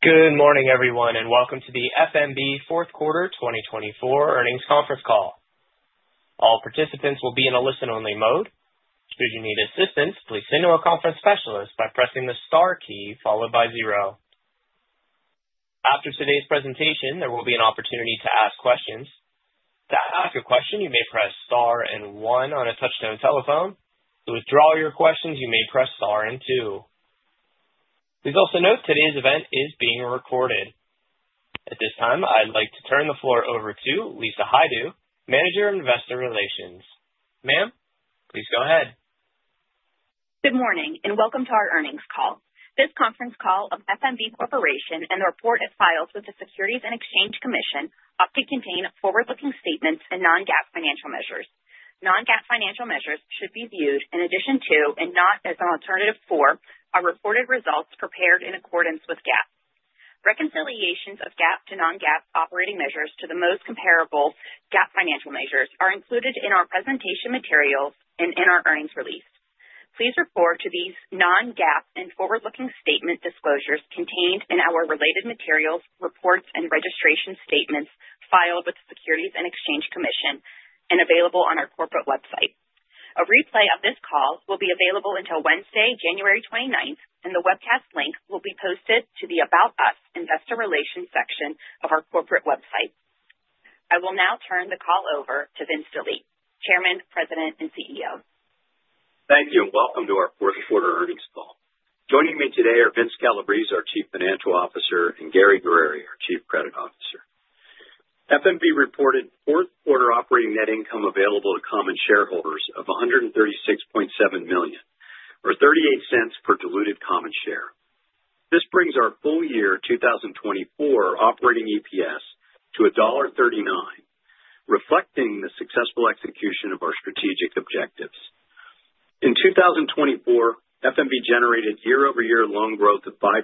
Good morning, everyone, and welcome to the F.N.B. fourth quarter 2024 earnings conference call. All participants will be in a listen-only mode. Should you need assistance, please contact a conference specialist by pressing the star key followed by zero. After today's presentation, there will be an opportunity to ask questions. To ask a question, you may press star and one on a touch-tone telephone. To withdraw your questions, you may press star and two. Please also note today's event is being recorded. At this time, I'd like to turn the floor over to Lisa Hajdu, Manager of Investor Relations. Ma'am, please go ahead. Good morning and welcome to our earnings call. This conference call of F.N.B. Corporation and the report it files with the Securities and Exchange Commission ought to contain forward-looking statements and non-GAAP financial measures. non-GAAP financial measures should be viewed in addition to, and not as an alternative for, our reported results prepared in accordance with GAAP. Reconciliations of GAAP to non-GAAP operating measures to the most comparable GAAP financial measures are included in our presentation materials and in our earnings release. Please refer to these non-GAAP and forward-looking statement disclosures contained in our related materials, reports, and registration statements filed with the Securities and Exchange Commission and available on our corporate website. A replay of this call will be available until Wednesday, January 29th, and the webcast link will be posted to the About Us Investor Relations section of our corporate website. I will now turn the call over to Vince Delie, Chairman, President, and CEO. Thank you and welcome to our fourth quarter earnings call. Joining me today are Vince Calabrese, our Chief Financial Officer, and Gary Guerrieri, our Chief Credit Officer. F.N.B. reported fourth quarter operating net income available to common shareholders of $136.7 million, or $0.38 per diluted common share. This brings our full year 2024 operating EPS to $1.39, reflecting the successful execution of our strategic objectives. In 2024, F.N.B. generated year-over-year loan growth of 5%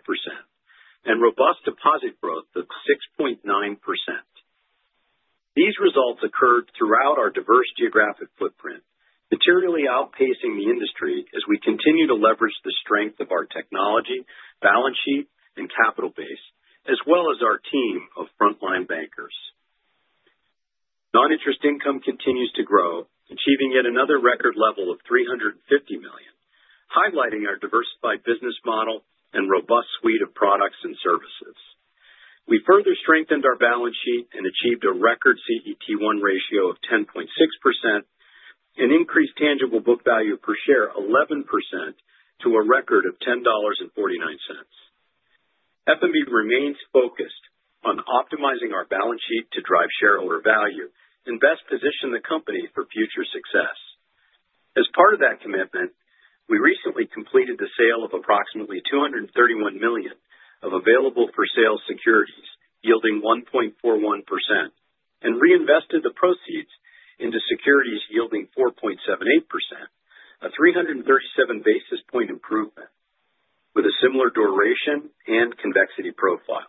and robust deposit growth of 6.9%. These results occurred throughout our diverse geographic footprint, materially outpacing the industry as we continue to leverage the strength of our technology, balance sheet, and capital base, as well as our team of frontline bankers. Non-interest income continues to grow, achieving yet another record level of $350 million, highlighting our diversified business model and robust suite of products and services. We further strengthened our balance sheet and achieved a record CET1 ratio of 10.6% and increased tangible book value per share 11% to a record of $10.49. F.N.B. remains focused on optimizing our balance sheet to drive shareholder value and best position the company for future success. As part of that commitment, we recently completed the sale of approximately $231 million of available for sale securities, yielding 1.41%, and reinvested the proceeds into securities yielding 4.78%, a 337 basis points improvement with a similar duration and convexity profile.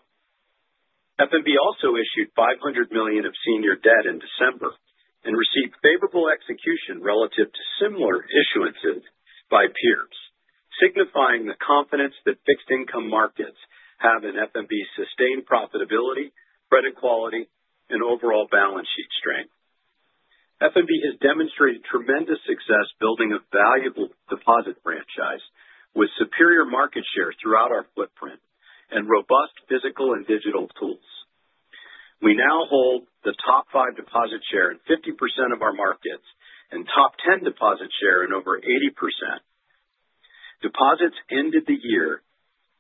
F.N.B. also issued $500 million of senior debt in December and received favorable execution relative to similar issuances by peers, signifying the confidence that fixed income markets have in F.N.B.'s sustained profitability, credit quality, and overall balance sheet strength. F.N.B. has demonstrated tremendous success building a valuable deposit franchise with superior market share throughout our footprint and robust physical and digital tools. We now hold the top five deposit share at 50% of our markets and top ten deposit share at over 80%. Deposits ended the year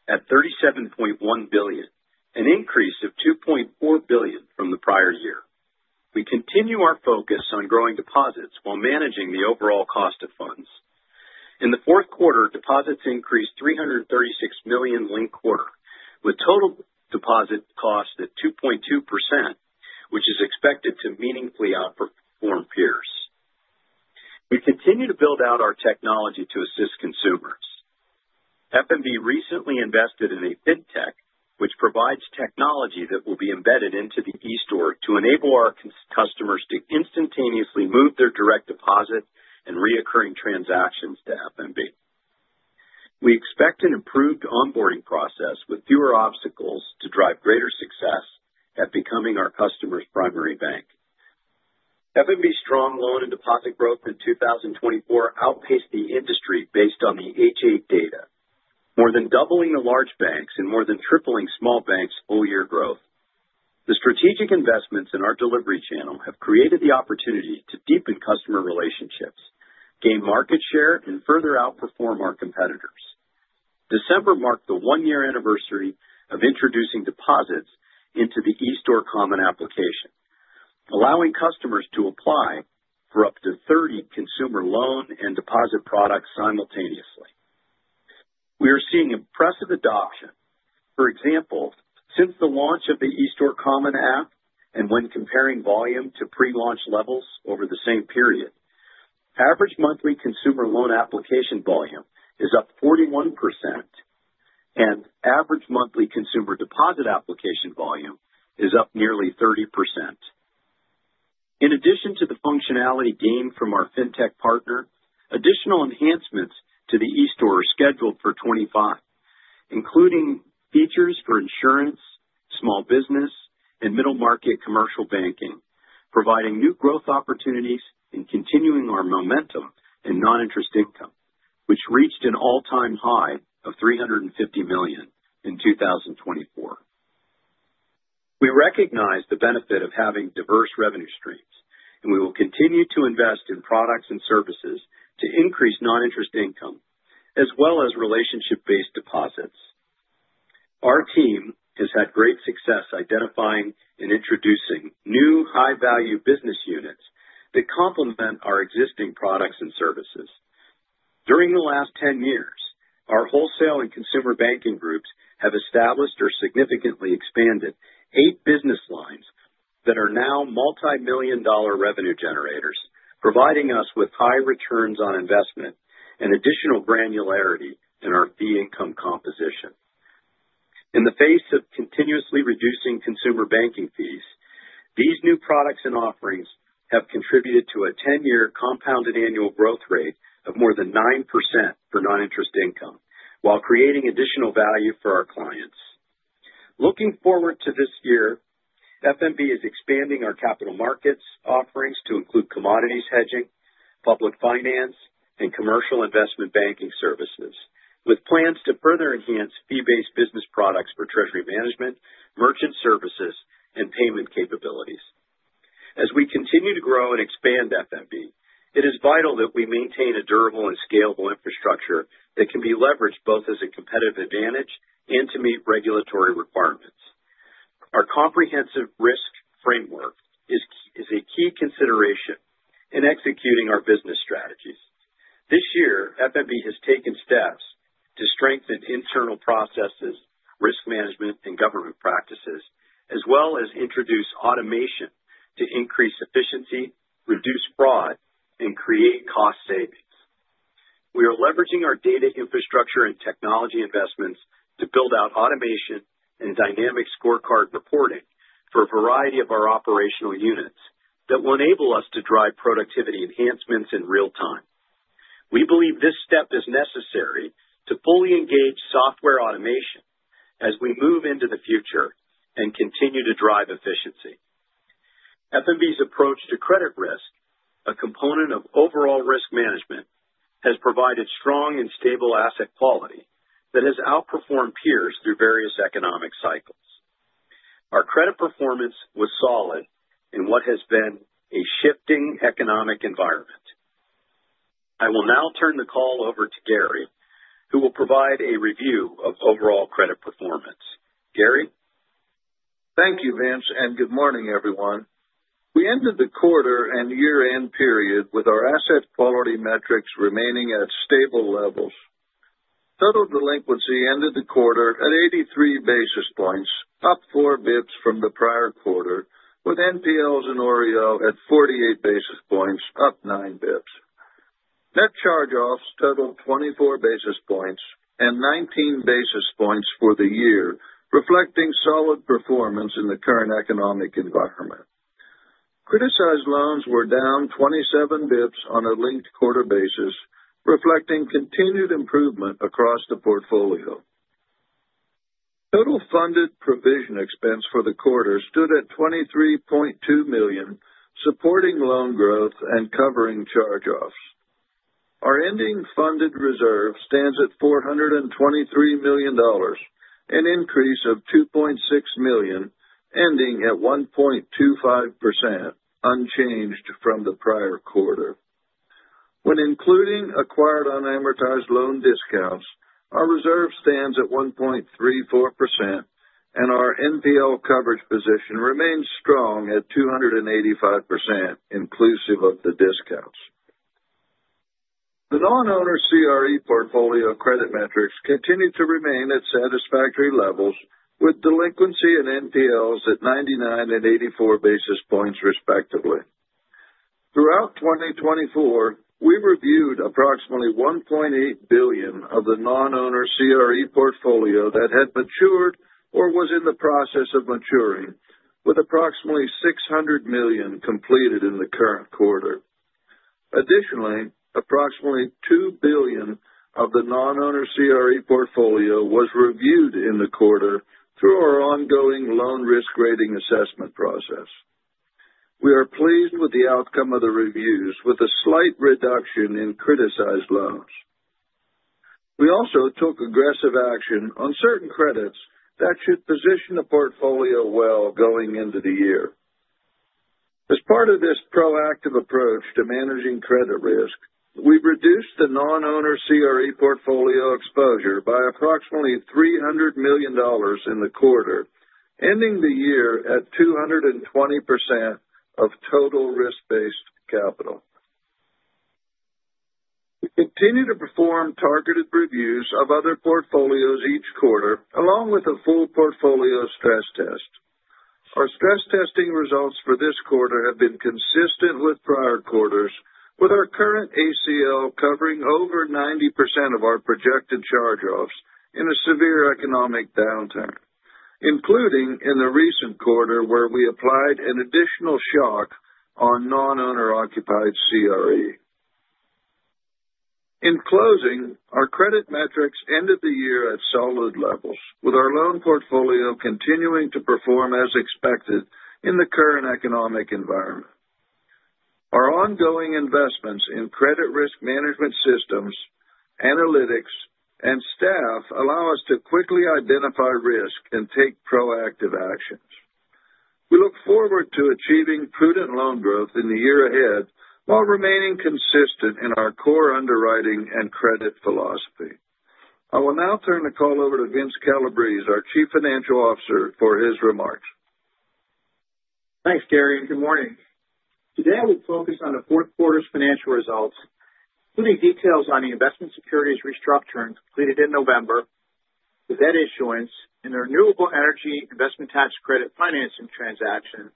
at $37.1 billion, an increase of $2.4 billion from the prior year. We continue our focus on growing deposits while managing the overall cost of funds. In the fourth quarter, deposits increased $336 million linked quarter with total deposit cost at 2.2%, which is expected to meaningfully outperform peers. We continue to build out our technology to assist consumers. F.N.B. recently invested in a fintech which provides technology that will be embedded into the e-Store to enable our customers to instantaneously move their direct deposit and recurring transactions to F.N.B. We expect an improved onboarding process with fewer obstacles to drive greater success at becoming our customer's primary bank. F.N.B.'s strong loan and deposit growth in 2024 outpaced the industry based on the H.8 data, more than doubling the large banks and more than tripling small banks' full year growth. The strategic investments in our delivery channel have created the opportunity to deepen customer relationships, gain market share, and further outperform our competitors. December marked the one-year anniversary of introducing deposits into the e-Store Common App, allowing customers to apply for up to 30 consumer loan and deposit products simultaneously. We are seeing impressive adoption. For example, since the launch of the e-Store Common App and when comparing volume to pre-launch levels over the same period, average monthly consumer loan application volume is up 41%, and average monthly consumer deposit application volume is up nearly 30%. In addition to the functionality gained from our fintech partner, additional enhancements to the e-Store are scheduled for 2025, including features for insurance, small business, and middle market commercial banking, providing new growth opportunities and continuing our momentum in non-interest income, which reached an all-time high of $350 million in 2024. We recognize the benefit of having diverse revenue streams, and we will continue to invest in products and services to increase non-interest income as well as relationship-based deposits. Our team has had great success identifying and introducing new high-value business units that complement our existing products and services. During the last 10 years, our wholesale and consumer banking groups have established or significantly expanded eight business lines that are now multi-million dollar revenue generators, providing us with high returns on investment and additional granularity in our fee income composition. In the face of continuously reducing consumer banking fees, these new products and offerings have contributed to a 10-year compounded annual growth rate of more than 9% for non-interest income, while creating additional value for our clients. Looking forward to this year, F.N.B. is expanding our capital markets offerings to include commodities hedging, public finance, and commercial investment banking services, with plans to further enhance fee-based business products for treasury management, merchant services, and payment capabilities. As we continue to grow and expand F.N.B., it is vital that we maintain a durable and scalable infrastructure that can be leveraged both as a competitive advantage and to meet regulatory requirements. Our comprehensive risk framework is a key consideration in executing our business strategies. This year, F.N.B. has taken steps to strengthen internal processes, risk management, and governance practices, as well as introduce automation to increase efficiency, reduce fraud, and create cost savings. We are leveraging our data infrastructure and technology investments to build out automation and dynamic scorecard reporting for a variety of our operational units that will enable us to drive productivity enhancements in real time. We believe this step is necessary to fully engage software automation as we move into the future and continue to drive efficiency. F.N.B.'s approach to credit risk, a component of overall risk management, has provided strong and stable asset quality that has outperformed peers through various economic cycles. Our credit performance was solid in what has been a shifting economic environment. I will now turn the call over to Gary, who will provide a review of overall credit performance. Gary. Thank you, Vince, and good morning, everyone. We ended the quarter and year-end period with our asset quality metrics remaining at stable levels. Total delinquency ended the quarter at 83 basis points, up four basis points from the prior quarter, with NPLs in OREO at 48 basis points, up nine basis points. Net charge-offs totaled 24 basis points and 19 basis points for the year, reflecting solid performance in the current economic environment. Criticized loans were down 27 basis points on a linked quarter basis, reflecting continued improvement across the portfolio. Total funded provision expense for the quarter stood at $23.2 million, supporting loan growth and covering charge-offs. Our ending funded reserve stands at $423 million, an increase of $2.6 million, ending at 1.25%, unchanged from the prior quarter. When including acquired unamortized loan discounts, our reserve stands at 1.34%, and our NPL coverage position remains strong at 285%, inclusive of the discounts. The non-owner CRE portfolio credit metrics continue to remain at satisfactory levels, with delinquency and NPLs at 99 and 84 basis points, respectively. Throughout 2024, we reviewed approximately $1.8 billion of the non-owner CRE portfolio that had matured or was in the process of maturing, with approximately $600 million completed in the current quarter. Additionally, approximately $2 billion of the non-owner CRE portfolio was reviewed in the quarter through our ongoing loan risk rating assessment process. We are pleased with the outcome of the reviews, with a slight reduction in criticized loans. We also took aggressive action on certain credits that should position the portfolio well going into the year. As part of this proactive approach to managing credit risk, we reduced the non-owner CRE portfolio exposure by approximately $300 million in the quarter, ending the year at 220% of total risk-based capital. We continue to perform targeted reviews of other portfolios each quarter, along with a full portfolio stress test. Our stress testing results for this quarter have been consistent with prior quarters, with our current ACL covering over 90% of our projected charge-offs in a severe economic downturn, including in the recent quarter where we applied an additional shock on non-owner-occupied CRE. In closing, our credit metrics ended the year at solid levels, with our loan portfolio continuing to perform as expected in the current economic environment. Our ongoing investments in credit risk management systems, analytics, and staff allow us to quickly identify risk and take proactive actions. We look forward to achieving prudent loan growth in the year ahead while remaining consistent in our core underwriting and credit philosophy. I will now turn the call over to Vince Calabrese, our Chief Financial Officer, for his remarks. Thanks, Gary, and good morning. Today, we'll focus on the fourth quarter's financial results, including details on the investment securities restructure completed in November with that issuance and the renewable energy investment tax credit financing transaction,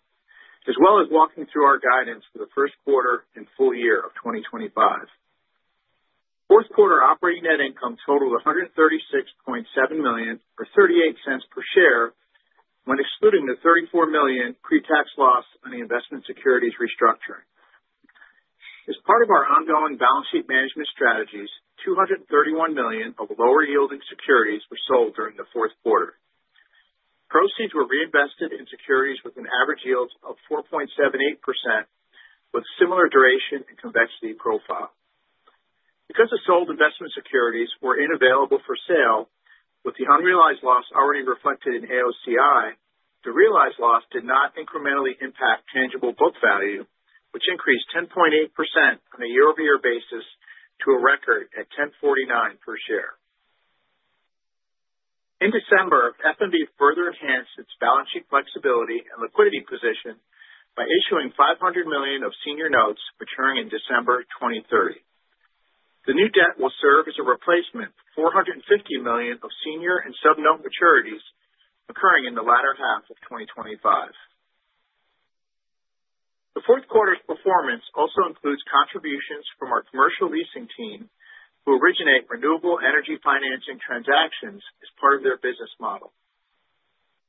as well as walking through our guidance for the first quarter and full year of 2025. Fourth quarter operating net income totaled $136.7 million or $0.38 per share when excluding the $34 million pre-tax loss on the investment securities restructure. As part of our ongoing balance sheet management strategies, $231 million of lower-yielding securities were sold during the fourth quarter. Proceeds were reinvested in securities with an average yield of 4.78%, with similar duration and convexity profile. Because the sold investment securities were available for sale, with the unrealized loss already reflected in AOCI, the realized loss did not incrementally impact tangible book value, which increased 10.8% on a year-over-year basis to a record at $10.49 per share. In December, F.N.B. further enhanced its balance sheet flexibility and liquidity position by issuing $500 million of senior notes maturing in December 2030. The new debt will serve as a replacement for $450 million of senior and subordinated-note maturities occurring in the latter half of 2025. The fourth quarter's performance also includes contributions from our commercial leasing team who originate renewable energy financing transactions as part of their business model.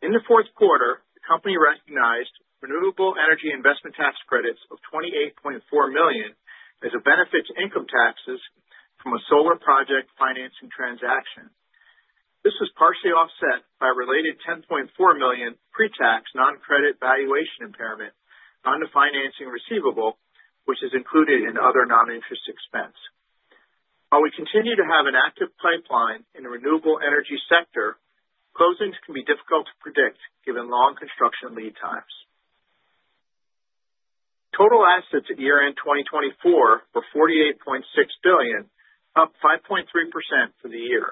In the fourth quarter, the company recognized renewable energy investment tax credits of $28.4 million as a benefit to income taxes from a solar project financing transaction. This was partially offset by a related $10.4 million pre-tax non-credit valuation impairment on the financing receivable, which is included in other non-interest expense. While we continue to have an active pipeline in the renewable energy sector, closings can be difficult to predict given long construction lead times. Total assets at year-end 2024 were $48.6 billion, up 5.3% for the year.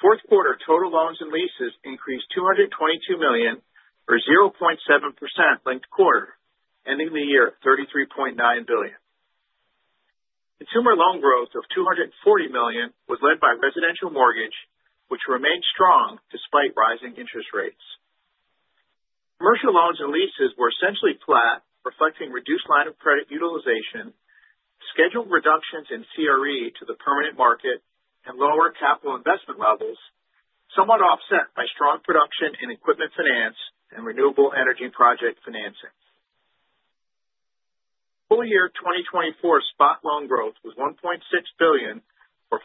Fourth quarter total loans and leases increased $222 million or 0.7% linked quarter, ending the year at $33.9 billion. Consumer loan growth of $240 million was led by residential mortgage, which remained strong despite rising interest rates. Commercial loans and leases were essentially flat, reflecting reduced line of credit utilization, scheduled reductions in CRE to the permanent market, and lower capital investment levels, somewhat offset by strong production and equipment finance and renewable energy project financing. Full year 2024 spot loan growth was $1.6 billion or 5%,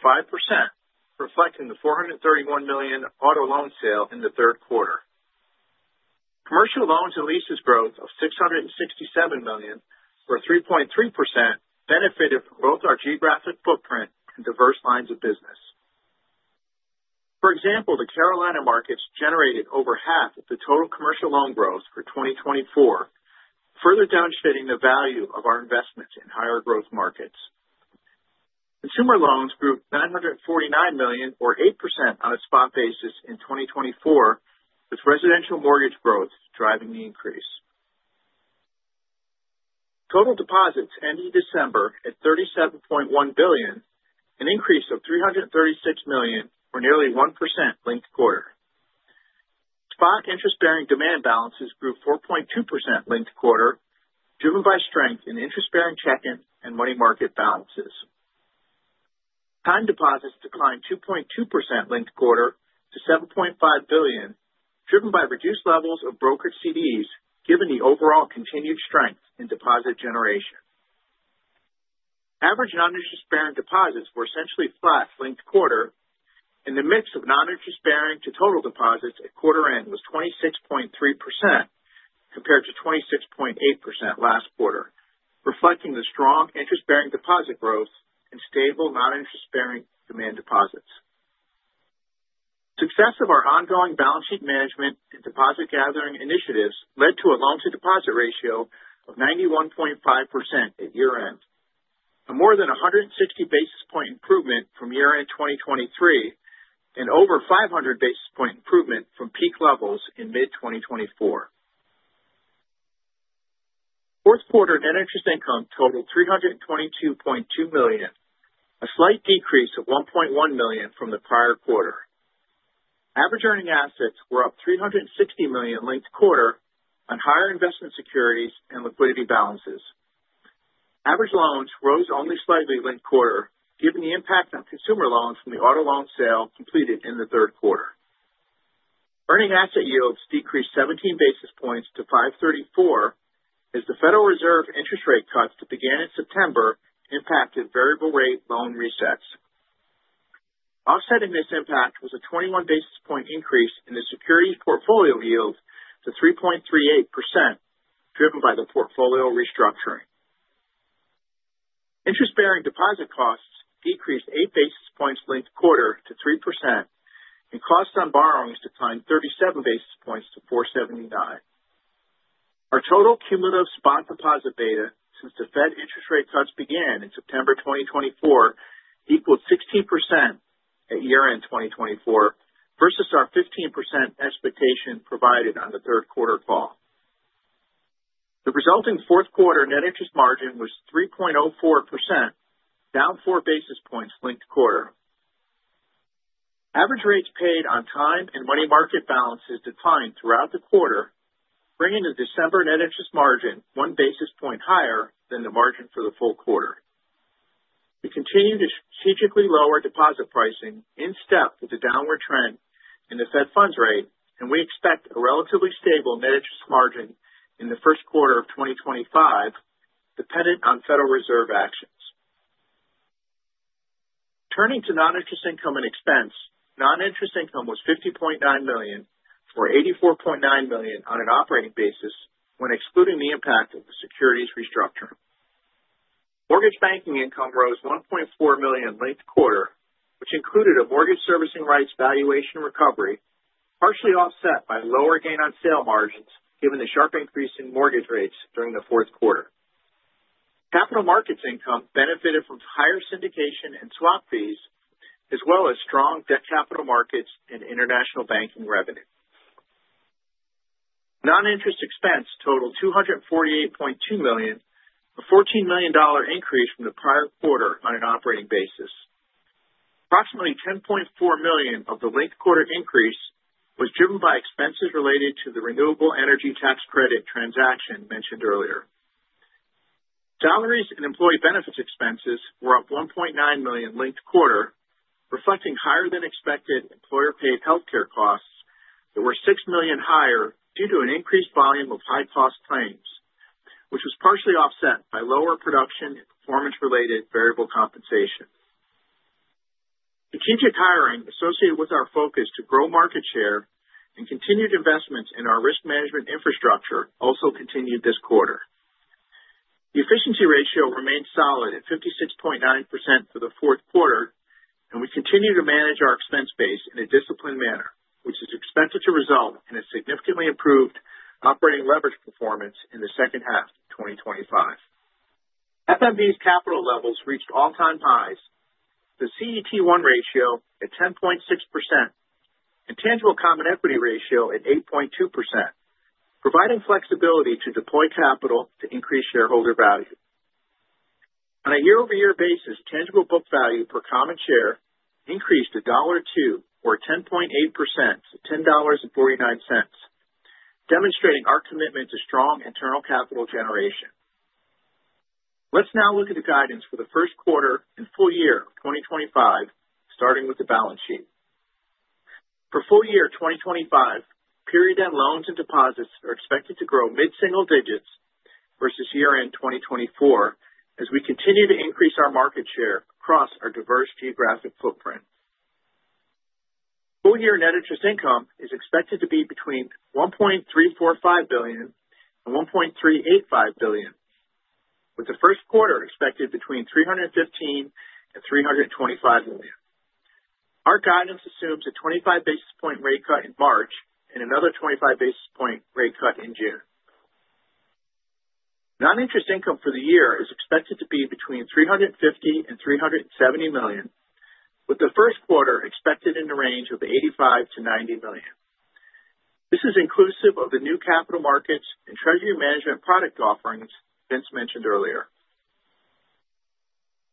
reflecting the $431 million auto loan sale in the third quarter. Commercial loans and leases growth of $667 million or 3.3% benefited from both our geographic footprint and diverse lines of business. For example, the Carolinas markets generated over half of the total commercial loan growth for 2024, further underscoring the value of our investments in higher growth markets. Consumer loans grew $949 million or 8% on a spot basis in 2024, with residential mortgage growth driving the increase. Total deposits ended December at $37.1 billion, an increase of $336 million or nearly 1% linked quarter. Spot interest-bearing demand balances grew 4.2% linked quarter, driven by strength in interest-bearing checking and money market balances. Time deposits declined 2.2% linked quarter to $7.5 billion, driven by reduced levels of brokered CDs, given the overall continued strength in deposit generation. Average non-interest-bearing deposits were essentially flat linked quarter, and the mix of non-interest-bearing to total deposits at quarter-end was 26.3% compared to 26.8% last quarter, reflecting the strong interest-bearing deposit growth and stable non-interest-bearing demand deposits. Success of our ongoing balance sheet management and deposit gathering initiatives led to a loan-to-deposit ratio of 91.5% at year-end, a more than 160 basis point improvement from year-end 2023, and over 500 basis point improvement from peak levels in mid-2024. Fourth quarter net interest income totaled $322.2 million, a slight decrease of $1.1 million from the prior quarter. Average earning assets were up $360 million linked quarter on higher investment securities and liquidity balances. Average loans rose only slightly linked quarter, given the impact on consumer loans from the auto loan sale completed in the third quarter. Earning asset yields decreased 17 basis points to $534 as the Federal Reserve interest rate cuts that began in September impacted variable-rate loan resets. Offsetting this impact was a 21 basis point increase in the securities portfolio yield to 3.38%, driven by the portfolio restructuring. Interest-bearing deposit costs decreased 8 basis points linked quarter to 3%, and costs on borrowings declined 37 basis points to $479. Our total cumulative spot deposit beta since the Fed interest rate cuts began in September 2024 equaled 16% at year-end 2024 versus our 15% expectation provided on the third quarter call. The resulting fourth quarter net interest margin was 3.04%, down 4 basis points linked quarter. Average rates paid on time and money market balances declined throughout the quarter, bringing the December net interest margin one basis point higher than the margin for the full quarter. We continue to strategically lower deposit pricing in step with the downward trend in the Fed funds rate, and we expect a relatively stable net interest margin in the first quarter of 2025, dependent on Federal Reserve actions. Turning to non-interest income and expense, non-interest income was $50.9 million or $84.9 million on an operating basis when excluding the impact of the securities restructure. Mortgage banking income rose $1.4 million linked quarter, which included a mortgage servicing rights valuation recovery, partially offset by lower gain-on-sale margins given the sharp increase in mortgage rates during the fourth quarter. Capital markets income benefited from higher syndication and swap fees, as well as strong debt capital markets and international banking revenue. Non-interest expense totaled $248.2 million, a $14 million increase from the prior quarter on an operating basis. Approximately $10.4 million of the linked quarter increase was driven by expenses related to the renewable energy tax credit transaction mentioned earlier. Salaries and employee benefits expenses were up $1.9 million linked quarter, reflecting higher-than-expected employer-paid healthcare costs that were $6 million higher due to an increased volume of high-cost claims, which was partially offset by lower production and performance-related variable compensation. Strategic hiring associated with our focus to grow market share and continued investments in our risk management infrastructure also continued this quarter. The efficiency ratio remained solid at 56.9% for the fourth quarter, and we continue to manage our expense base in a disciplined manner, which is expected to result in a significantly improved operating leverage performance in the second half of 2025. F.N.B.'s capital levels reached all-time highs, with a CET1 ratio at 10.6% and tangible common equity ratio at 8.2%, providing flexibility to deploy capital to increase shareholder value. On a year-over-year basis, tangible book value per common share increased $1.02 or 10.8% to $10.49, demonstrating our commitment to strong internal capital generation. Let's now look at the guidance for the first quarter and full year of 2025, starting with the balance sheet. For full year 2025, period-end loans and deposits are expected to grow mid-single digits versus year-end 2024 as we continue to increase our market share across our diverse geographic footprint. Full year net interest income is expected to be between $1.345 billion and $1.385 billion, with the first quarter expected between $315 and $325 million. Our guidance assumes a 25 basis point rate cut in March and another 25 basis point rate cut in June. Non-interest income for the year is expected to be between $350 and $370 million, with the first quarter expected in the range of $85 million-$90 million. This is inclusive of the new capital markets and treasury management product offerings Vince mentioned earlier.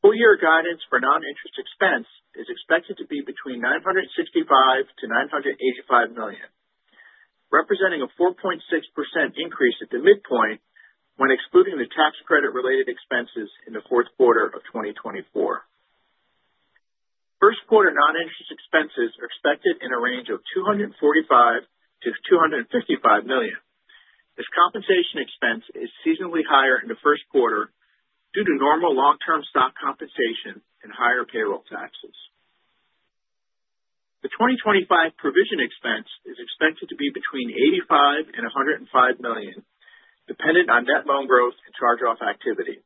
Full year guidance for non-interest expense is expected to be between $965 million-$985 million, representing a 4.6% increase at the midpoint when excluding the tax credit-related expenses in the fourth quarter of 2024. First quarter non-interest expenses are expected in a range of $245 million-$255 million. This compensation expense is seasonally higher in the first quarter due to normal long-term stock compensation and higher payroll taxes. The 2025 provision expense is expected to be between $85 and $105 million, dependent on net loan growth and charge-off activity.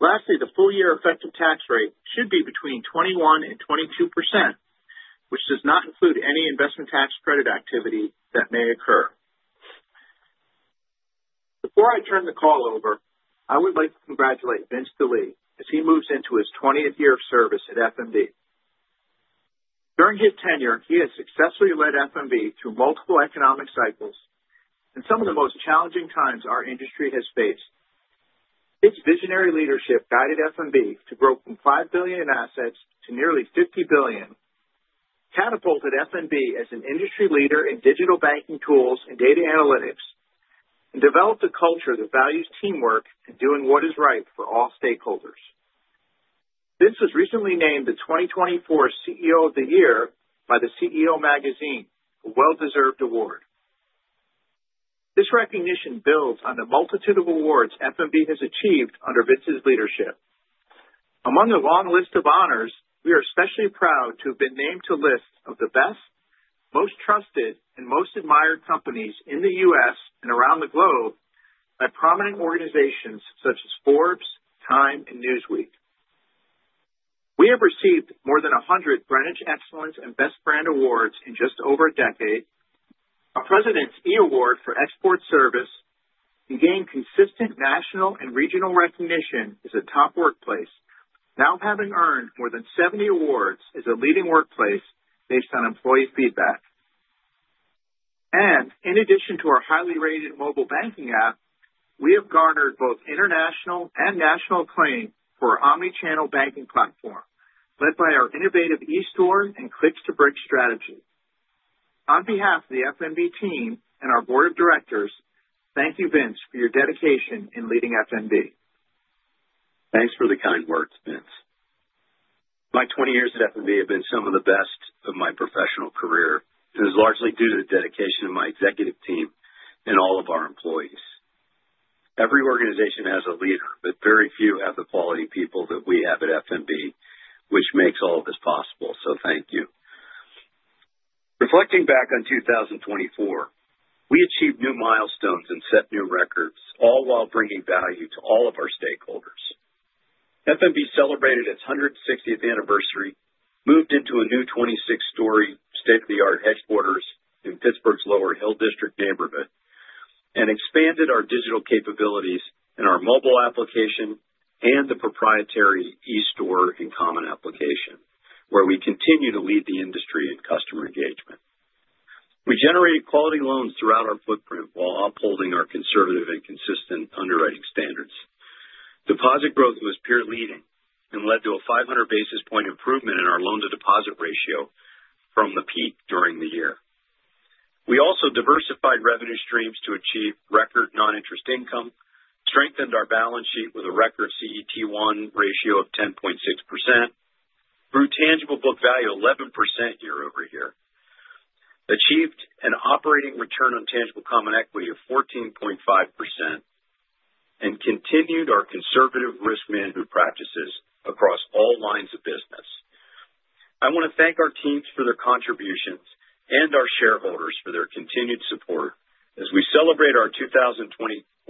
Lastly, the full year effective tax rate should be between 21% and 22%, which does not include any investment tax credit activity that may occur. Before I turn the call over, I would like to congratulate Vince Delie as he moves into his 20th year of service at F.N.B. During his tenure, he has successfully led F.N.B. through multiple economic cycles and some of the most challenging times our industry has faced. His visionary leadership guided F.N.B. to grow from $5 billion in assets to nearly $50 billion, catapulted F.N.B. as an industry leader in digital banking tools and data analytics, and developed a culture that values teamwork and doing what is right for all stakeholders. Vince was recently named the 2024 CEO of the Year by the CEO Magazine, a well-deserved award. This recognition builds on the multitude of awards F.N.B. has achieved under Vince's leadership. Among the long list of honors, we are especially proud to have been named to lists of the best, most trusted, and most admired companies in the U.S. and around the globe by prominent organizations such as Forbes, Time, and Newsweek. We have received more than 100 Branded Excellence and Best Brand awards in just over a decade. Our President's E Award for Export Service, and gained consistent national and regional recognition as a top workplace, now having earned more than 70 awards as a leading workplace based on employee feedback, and in addition to our highly rated mobile banking app, we have garnered both international and national acclaim for our omnichannel banking platform, led by our innovative e-store and clicks-to-bricks strategy. On behalf of the F.N.B. team and our board of directors, thank you, Vince, for your dedication in leading F.N.B. Thanks for the kind words, Vince. My 20 years at F.N.B. have been some of the best of my professional career, and it's largely due to the dedication of my executive team and all of our employees. Every organization has a leader, but very few have the quality people that we have at F.N.B., which makes all of this possible. So thank you. Reflecting back on 2024, we achieved new milestones and set new records, all while bringing value to all of our stakeholders. F.N.B. celebrated its 160th anniversary, moved into a new 26-story state-of-the-art headquarters in Pittsburgh's Lower Hill District neighborhood, and expanded our digital capabilities in our mobile application and the proprietary e-Store and Common Application, where we continue to lead the industry in customer engagement. We generated quality loans throughout our footprint while upholding our conservative and consistent underwriting standards. Deposit growth was peer-leading and led to a 500 basis point improvement in our loan-to-deposit ratio from the peak during the year. We also diversified revenue streams to achieve record non-interest income, strengthened our balance sheet with a record CET1 ratio of 10.6%, grew tangible book value 11% year-over-year, achieved an operating return on tangible common equity of 14.5%, and continued our conservative risk management practices across all lines of business. I want to thank our teams for their contributions and our shareholders for their continued support as we celebrate our 2024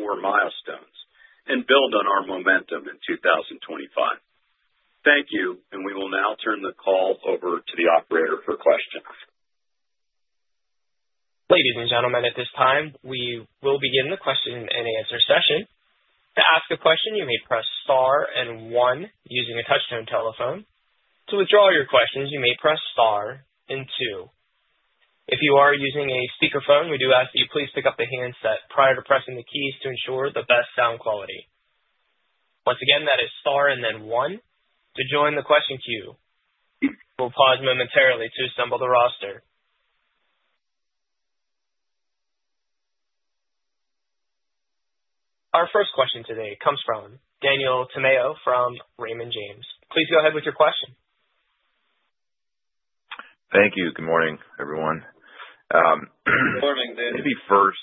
milestones and build on our momentum in 2025. Thank you, and we will now turn the call over to the operator for questions. Ladies and gentlemen, at this time, we will begin the question and answer session. To ask a question, you may press Star and 1 using a touch-tone telephone. To withdraw your questions, you may press star and two. If you are using a speakerphone, we do ask that you please pick up the handset prior to pressing the keys to ensure the best sound quality. Once again, that is star and then 1 to join the question queue. We'll pause momentarily to assemble the roster. Our first question today comes from Daniel Tamayo from Raymond James. Please go ahead with your question. Thank you. Good morning, everyone. Good morning. Maybe first,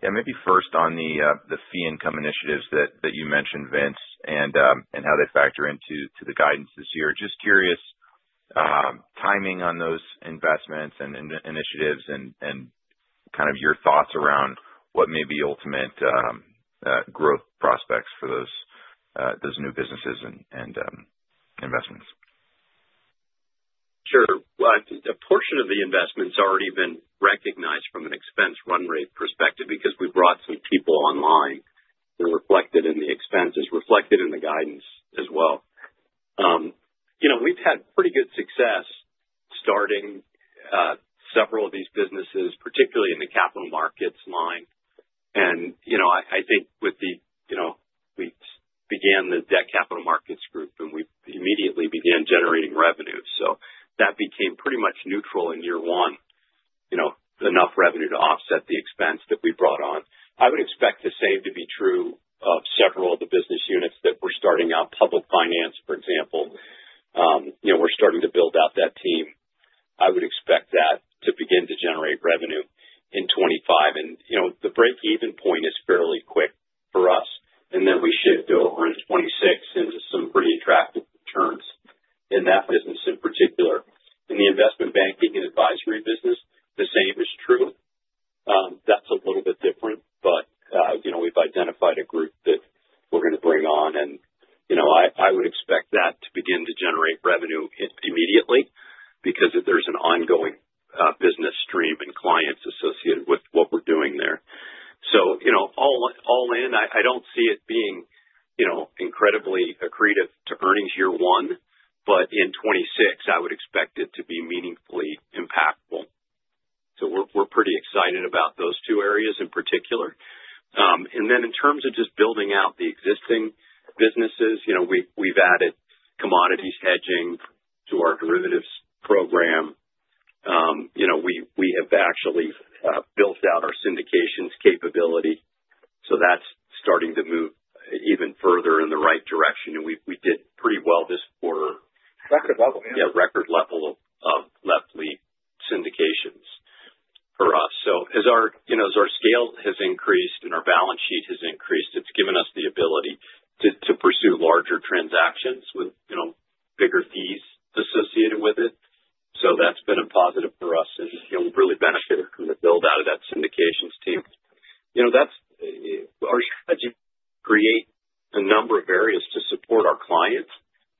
yeah, maybe first on the fee income initiatives that you mentioned, Vince, and how they factor into the guidance this year. Just curious timing on those investments and initiatives and kind of your thoughts around what may be ultimate growth prospects for those new businesses and investments. Sure. I think a portion of the investment's already been recognized from an expense run rate perspective because we brought some people online, and reflected in the expenses, reflected in the guidance as well. We've had pretty good success starting several of these businesses, particularly in the capital markets line. And I think with the we began the debt capital markets group, and we immediately began generating revenue. That became pretty much neutral in year one, enough revenue to offset the expense that we brought on. I would expect the same to be true of several of the business units that we're starting out. Public finance, for example, we're starting to build out that team. I would expect that to begin to generate revenue in 2025. The break-even point is fairly quick for us. And then we shift over in 2026 into some pretty attractive returns in that business in particular. In the investment banking and advisory business, the same is true. That's a little bit different, but we've identified a group that we're going to bring on. And I would expect that to begin to generate revenue immediately because there's an ongoing business stream and clients associated with what we're doing there. So all in, I don't see it being incredibly accretive to earnings year one, but in 2026, I would expect it to be meaningfully impactful. So we're pretty excited about those two areas in particular. And then in terms of just building out the existing businesses, we've added commodities hedging to our derivatives program. We have actually built out our syndications capability. So that's starting to move even further in the right direction. And we did pretty well this quarter. Record level, yeah. Yeah, record level of left-lead syndications for us. So as our scale has increased and our balance sheet has increased, it's given us the ability to pursue larger transactions with bigger fees associated with it. So that's been a positive for us, and we've really benefited from the build-out of that syndications team. Our strategy creates a number of areas to support our clients,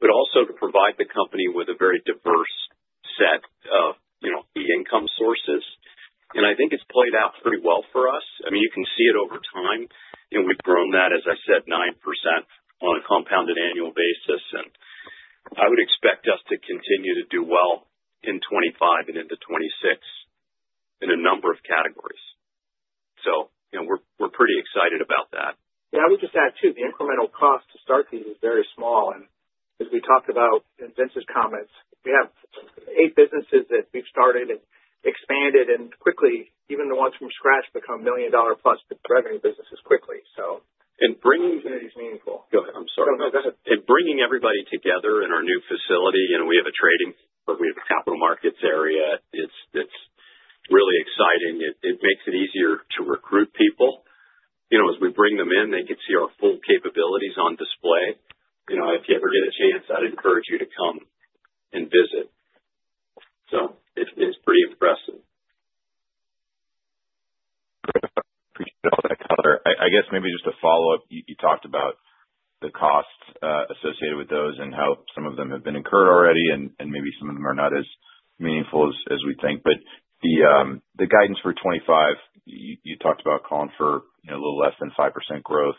but also to provide the company with a very diverse set of fee income sources. And I think it's played out pretty well for us. I mean, you can see it over time. We've grown that, as I said, 9% on a compounded annual basis. And I would expect us to continue to do well in 2025 and into 2026 in a number of categories. So we're pretty excited about that. Yeah. I would just add, too, the incremental cost to start these is very small, and as we talked about in Vince's comments, we have eight businesses that we've started and expanded, and quickly, even the ones from scratch become million-dollar-plus revenue businesses quickly, so and bringing everybody together in our new facility. We have a trading or we have a capital markets area. It's really exciting. It makes it easier to recruit people. As we bring them in, they can see our full capabilities on display. If you ever get a chance, I'd encourage you to come and visit, so it's pretty impressive. Appreciate all that, Tyler. I guess maybe just a follow-up. You talked about the costs associated with those and how some of them have been incurred already, and maybe some of them are not as meaningful as we think. But the guidance for 2025, you talked about calling for a little less than 5% growth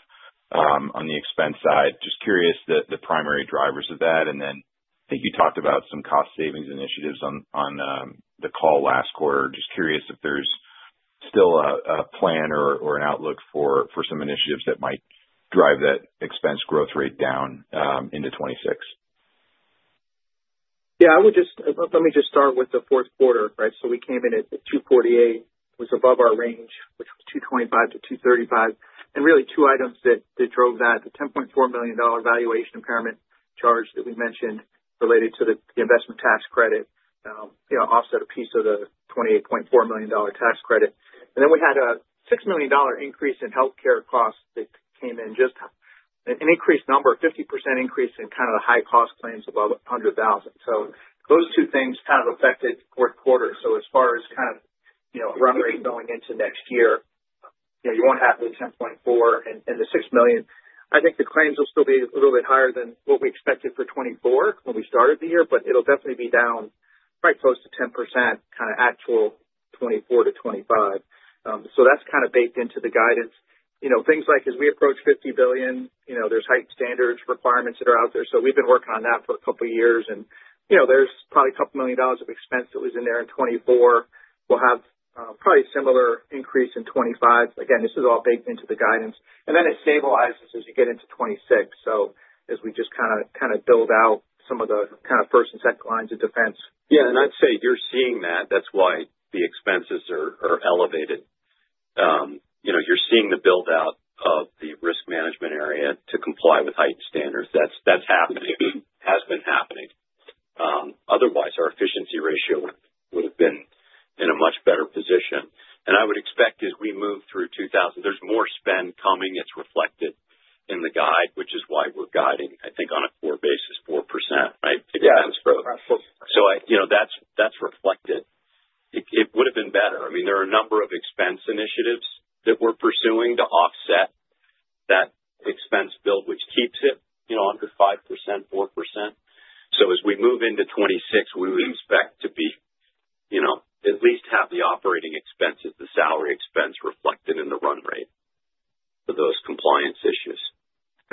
on the expense side. Just curious the primary drivers of that. And then I think you talked about some cost savings initiatives on the call last quarter. Just curious if there's still a plan or an outlook for some initiatives that might drive that expense growth rate down into 2026. Yeah. Let me just start with the fourth quarter, right? So we came in at 248. It was above our range, which was 225-235. Really, two items that drove that: the $10.4 million valuation impairment charge that we mentioned related to the investment tax credit offset a piece of the $28.4 million tax credit. And then we had a $6 million increase in healthcare costs that came in, just an increased number, a 50% increase in kind of the high-cost claims above 100,000. So those two things kind of affected fourth quarter. So as far as kind of run rate going into next year, you won't have the 10.4 and the 6 million. I think the claims will still be a little bit higher than what we expected for 2024 when we started the year, but it'll definitely be down quite close to 10% kind of actual 2024-2025. So that's kind of baked into the guidance. Things like as we approach 50 billion, there's heightened standards requirements that are out there. So we've been working on that for a couple of years. And there's probably $2 million of expense that was in there in 2024. We'll have probably a similar increase in 2025. Again, this is all baked into the guidance. And then it stabilizes as you get into 2026. So as we just kind of build out some of the kind of first and second lines of defense. Yeah. And I'd say you're seeing that. That's why the expenses are elevated. You're seeing the build-out of the risk management area to comply with heightened standards. That's happening, has been happening. Otherwise, our efficiency ratio would have been in a much better position. And I would expect as we move through 2025, there's more spend coming. It's reflected in the guide, which is why we're guiding, I think, on a core basis, 4%, right? Expense growth. That's reflected. It would have been better. I mean, there are a number of expense initiatives that we're pursuing to offset that expense build, which keeps it under 5%-4%. As we move into 2026, we would expect to at least have the operating expenses, the salary expense reflected in the run rate for those compliance issues.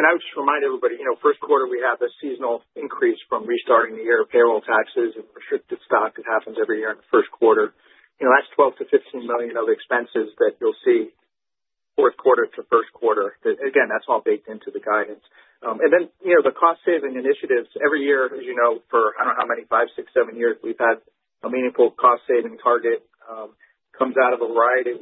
I would just remind everybody, first quarter, we have a seasonal increase from restarting the year of payroll taxes and restricted stock. It happens every year in the first quarter. That's $12 million-$15 million of expenses that you'll see fourth quarter to first quarter. Again, that's all baked into the guidance. And then the cost saving initiatives, every year, as you know, for I don't know how many, five, six, seven years, we've had a meaningful cost saving target that comes out of a variety of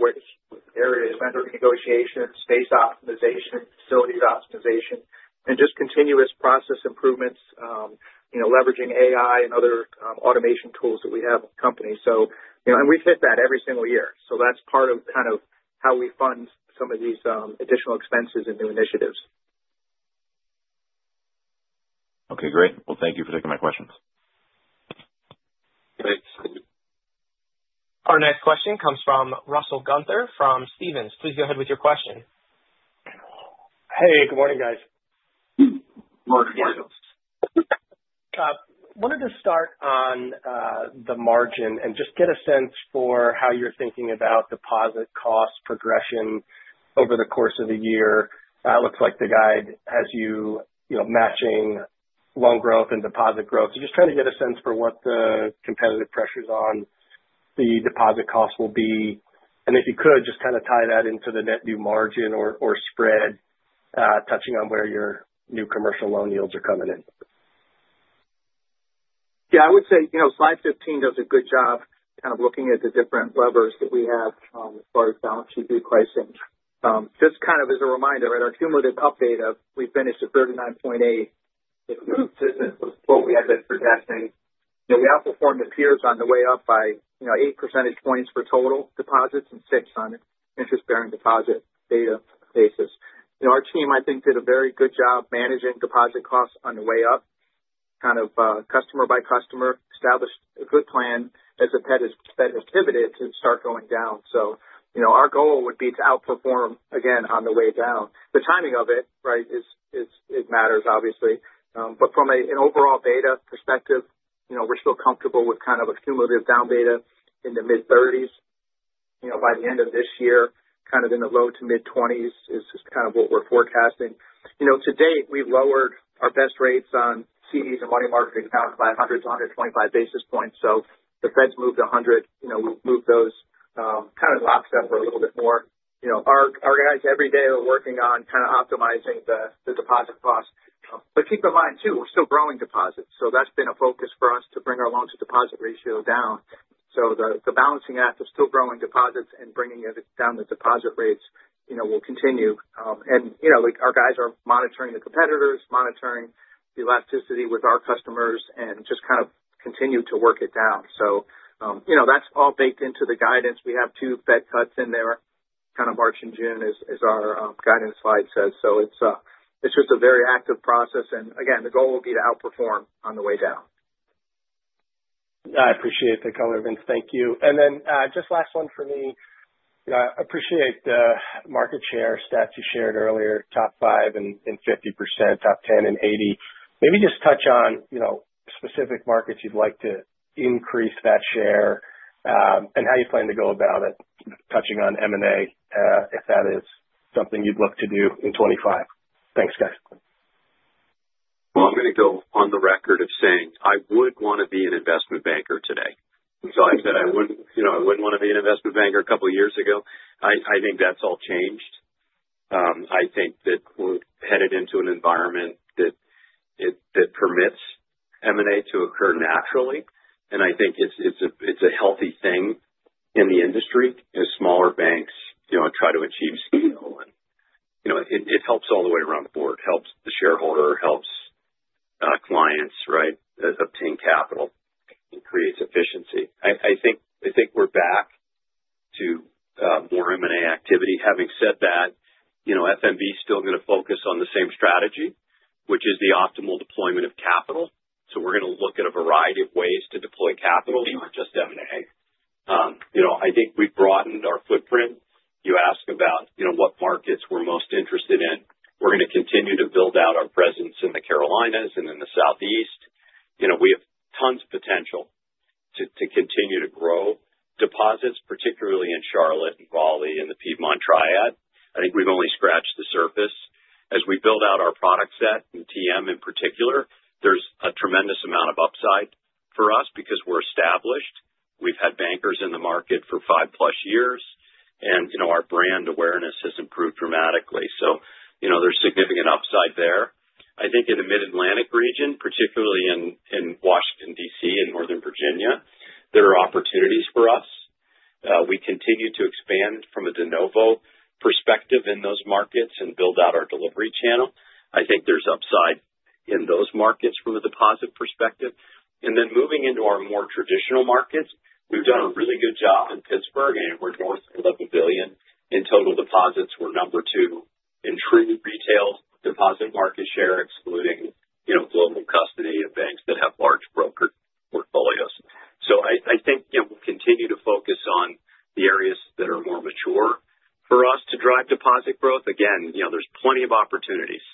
areas: vendor negotiation, space optimization, facilities optimization, and just continuous process improvements, leveraging AI and other automation tools that we have in the company. And we've hit that every single year. So that's part of kind of how we fund some of these additional expenses and new initiatives. Okay. Great. Well, thank you for taking my questions. Thanks. Our next question comes from Russell Gunther from Stephens. Please go ahead with your question. Hey. Good morning, guys. Morning, guys. Wanted to start on the margin and just get a sense for how you're thinking about deposit cost progression over the course of the year. It looks like the guide has you matching loan growth and deposit growth. So just trying to get a sense for what the competitive pressures on the deposit cost will be. And if you could, just kind of tie that into the net new margin or spread, touching on where your new commercial loan yields are coming in. Yeah. I would say slide 15 does a good job kind of looking at the different levers that we have as far as balance sheet repricing. Just kind of as a reminder, at our cumulative update, we finished at 39.8%, which is what we had been projecting. We outperformed the peers on the way up by 8 percentage points for total deposits and 6 on interest-bearing deposit beta basis. Our team, I think, did a very good job managing deposit costs on the way up, kind of customer by customer, established a good plan as the Fed has pivoted to start going down. So our goal would be to outperform, again, on the way down. The timing of it, right, matters, obviously. But from an overall data perspective, we're still comfortable with kind of a cumulative down beta in the mid-30s. By the end of this year, kind of in the low- to mid-20s is kind of what we're forecasting. To date, we've lowered our best rates on CDs and money market accounts by 100-125 basis points. So the Fed's moved 100. We've moved those kind of lock step for a little bit more. Our guys, every day, are working on kind of optimizing the deposit cost. But keep in mind, too, we're still growing deposits. So that's been a focus for us to bring our loan-to-deposit ratio down. So the balancing act of still growing deposits and bringing down the deposit rates will continue. And our guys are monitoring the competitors, monitoring the elasticity with our customers, and just kind of continue to work it down. So that's all baked into the guidance. We have two Fed cuts in there, kind of March and June, as our guidance slide says. So it's just a very active process. And again, the goal will be to outperform on the way down. I appreciate the color, Vince. Thank you. And then just last one for me. I appreciate the market share stats you shared earlier, top five and 50%, top 10 and 80%. Maybe just touch on specific markets you'd like to increase that share and how you plan to go about it, touching on M&A, if that is something you'd look to do in 2025? Thanks, guys. I'm going to go on the record of saying I would want to be an investment banker today. I said I wouldn't want to be an investment banker a couple of years ago. I think that's all changed. I think that we're headed into an environment that permits M&A to occur naturally. I think it's a healthy thing in the industry as smaller banks try to achieve scale. It helps all the way around the board. It helps the shareholder, helps clients, right, obtain capital. It creates efficiency. I think we're back to more M&A activity. Having said that, F.N.B. is still going to focus on the same strategy, which is the optimal deployment of capital. So we're going to look at a variety of ways to deploy capital, not just M&A. I think we've broadened our footprint. You ask about what markets we're most interested in. We're going to continue to build out our presence in the Carolinas and in the Southeast. We have tons of potential to continue to grow deposits, particularly in Charlotte and Raleigh and the Piedmont Triad. I think we've only scratched the surface. As we build out our product set and TM in particular, there's a tremendous amount of upside for us because we're established. We've had bankers in the market for five-plus years, and our brand awareness has improved dramatically. So there's significant upside there. I think in the Mid-Atlantic region, particularly in Washington, D.C., and Northern Virginia, there are opportunities for us. We continue to expand from a de novo perspective in those markets and build out our delivery channel. I think there's upside in those markets from a deposit perspective, and then moving into our more traditional markets, we've done a really good job in Pittsburgh, and we're north of $11 billion in total deposits. We're number two in true retail deposit market share, excluding global custody of banks that have large broker portfolios. So I think we'll continue to focus on the areas that are more mature for us to drive deposit growth. Again, there's plenty of opportunities,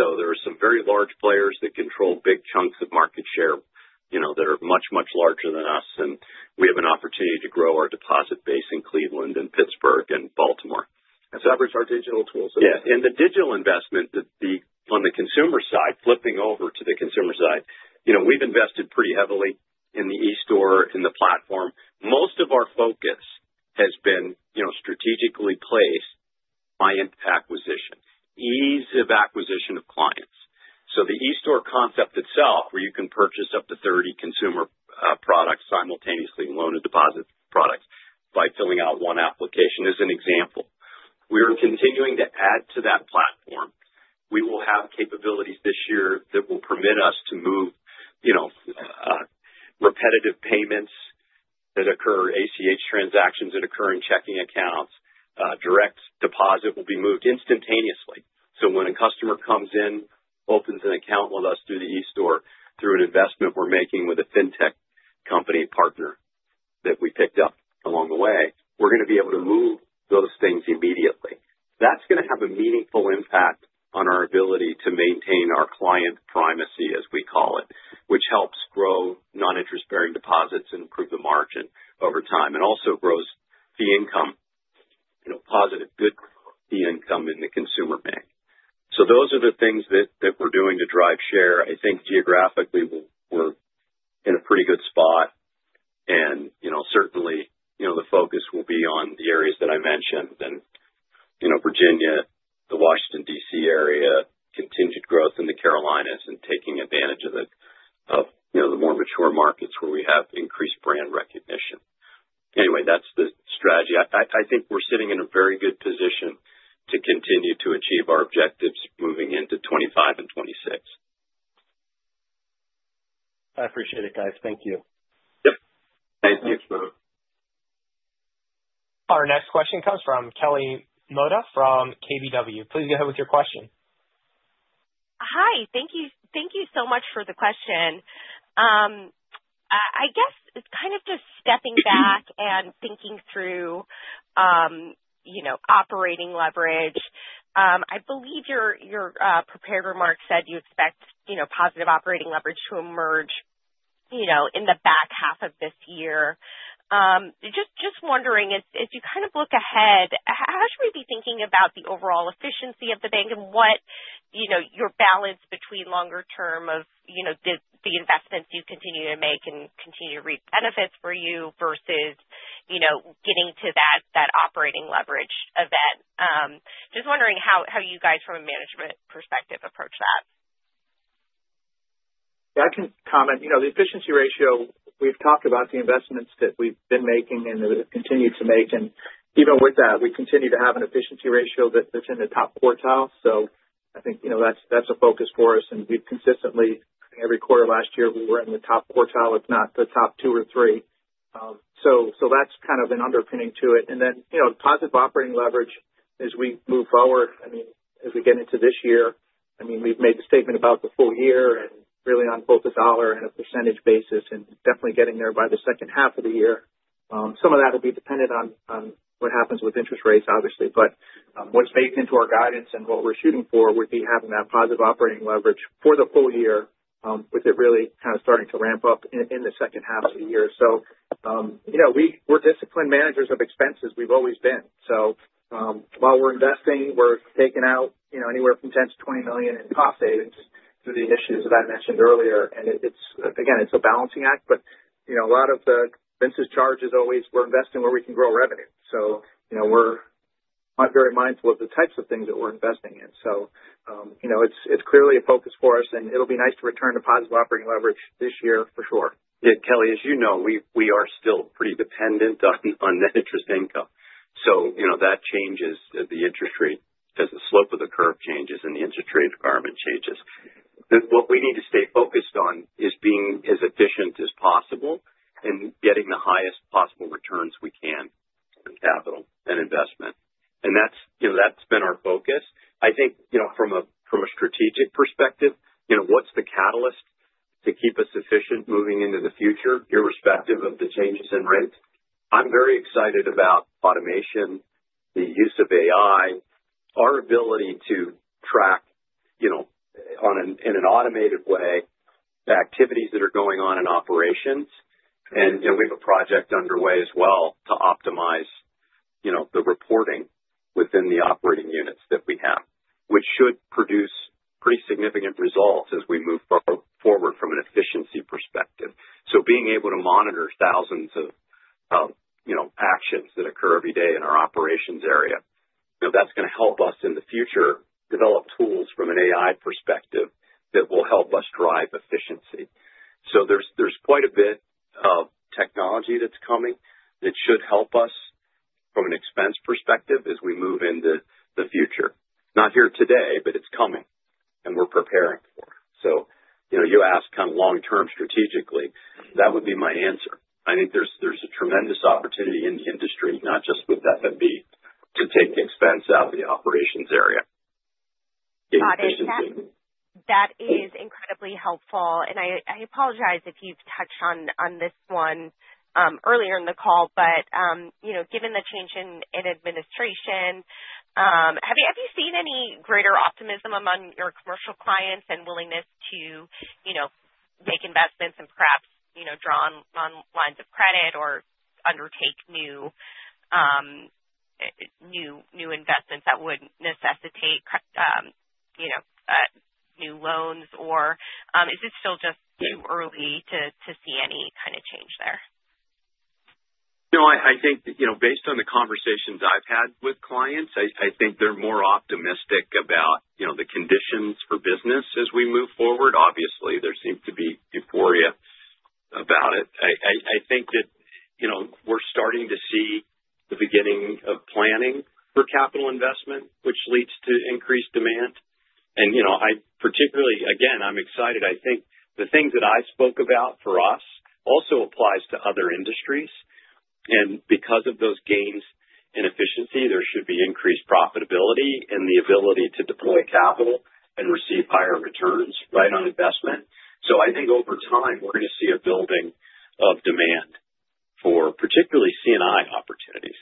so there are some very large players that control big chunks of market share that are much, much larger than us. We have an opportunity to grow our deposit base in Cleveland and Pittsburgh and Baltimore. That brings our digital tools. Yeah. The digital investment on the consumer side, flipping over to the consumer side, we've invested pretty heavily in the e-Store, in the platform. Most of our focus has been strategically placed by acquisition, ease of acquisition of clients. The e-Store concept itself, where you can purchase up to 30 consumer products simultaneously and loan and deposit products by filling out one application, is an example. We are continuing to add to that platform. We will have capabilities this year that will permit us to move repetitive payments that occur, ACH transactions that occur in checking accounts. Direct deposit will be moved instantaneously. So when a customer comes in, opens an account with us through the e-Store, through an investment we're making with a fintech company partner that we picked up along the way, we're going to be able to move those things immediately. That's going to have a meaningful impact on our ability to maintain our client primacy, as we call it, which helps grow non-interest-bearing deposits and improve the margin over time and also grows the income, positive, good fee income in the consumer bank. So those are the things that we're doing to drive share. I think geographically, we're in a pretty good spot. And certainly, the focus will be on the areas that I mentioned: Virginia, the Washington, D.C. area, contingent growth in the Carolinas, and taking advantage of the more mature markets where we have increased brand recognition. Anyway, that's the strategy. I think we're sitting in a very good position to continue to achieve our objectives moving into 2025 and 2026. I appreciate it, guys. Thank you. Yep. Thank you. Thanks, bro. Our next question comes from Kelly Motta from KBW. Please go ahead with your question. Hi. Thank you so much for the question. I guess kind of just stepping back and thinking through operating leverage. I believe your prepared remark said you expect positive operating leverage to emerge in the back half of this year. Just wondering, as you kind of look ahead, how should we be thinking about the overall efficiency of the bank and what your balance between longer term of the investments you continue to make and continue to reap benefits for you versus getting to that operating leverage event? Just wondering how you guys, from a management perspective, approach that. Yeah. I can comment. The efficiency ratio, we've talked about the investments that we've been making and that we've continued to make, and even with that, we continue to have an efficiency ratio that's in the top quartile, so I think that's a focus for us, and we've consistently, every quarter last year, we were in the top quartile, if not the top two or three, so that's kind of an underpinning to it, and then positive operating leverage as we move forward, I mean, as we get into this year, I mean, we've made the statement about the full year and really on both a dollar and a percentage basis and definitely getting there by the second half of the year. Some of that will be dependent on what happens with interest rates, obviously. But what's baked into our guidance and what we're shooting for would be having that positive operating leverage for the full year with it really kind of starting to ramp up in the second half of the year. So we're disciplined managers of expenses. We've always been. So while we're investing, we're taking out anywhere from $10 million-$20 million in cost savings through the issues that I mentioned earlier. And again, it's a balancing act, but a lot of the Vince's charge is always we're investing where we can grow revenue. So we're very mindful of the types of things that we're investing in. So it's clearly a focus for us, and it'll be nice to return to positive operating leverage this year, for sure. Yeah. Kelly, as you know, we are still pretty dependent on net interest income. So that changes the interest rate as the slope of the curve changes and the interest rate environment changes. What we need to stay focused on is being as efficient as possible and getting the highest possible returns we can from capital and investment. And that's been our focus. I think from a strategic perspective, what's the catalyst to keep us efficient moving into the future, irrespective of the changes in rates? I'm very excited about automation, the use of AI, our ability to track in an automated way the activities that are going on in operations. And we have a project underway as well to optimize the reporting within the operating units that we have, which should produce pretty significant results as we move forward from an efficiency perspective. Being able to monitor thousands of actions that occur every day in our operations area, that's going to help us in the future develop tools from an AI perspective that will help us drive efficiency. So there's quite a bit of technology that's coming that should help us from an expense perspective as we move into the future. Not here today, but it's coming, and we're preparing for it. So you ask kind of long-term strategically, that would be my answer. I think there's a tremendous opportunity in the industry, not just with F.N.B., to take expense out of the operations area. Getting efficiency. That is incredibly helpful. I apologize if you've touched on this one earlier in the call, but given the change in administration, have you seen any greater optimism among your commercial clients and willingness to make investments and perhaps draw on lines of credit or undertake new investments that would necessitate new loans? Or is it still just too early to see any kind of change there? I think based on the conversations I've had with clients, I think they're more optimistic about the conditions for business as we move forward. Obviously, there seems to be euphoria about it. I think that we're starting to see the beginning of planning for capital investment, which leads to increased demand. And particularly, again, I'm excited. I think the things that I spoke about for us also apply to other industries. Because of those gains in efficiency, there should be increased profitability in the ability to deploy capital and receive higher returns, right, on investment. I think over time, we're going to see a building of demand for particularly C&I opportunities.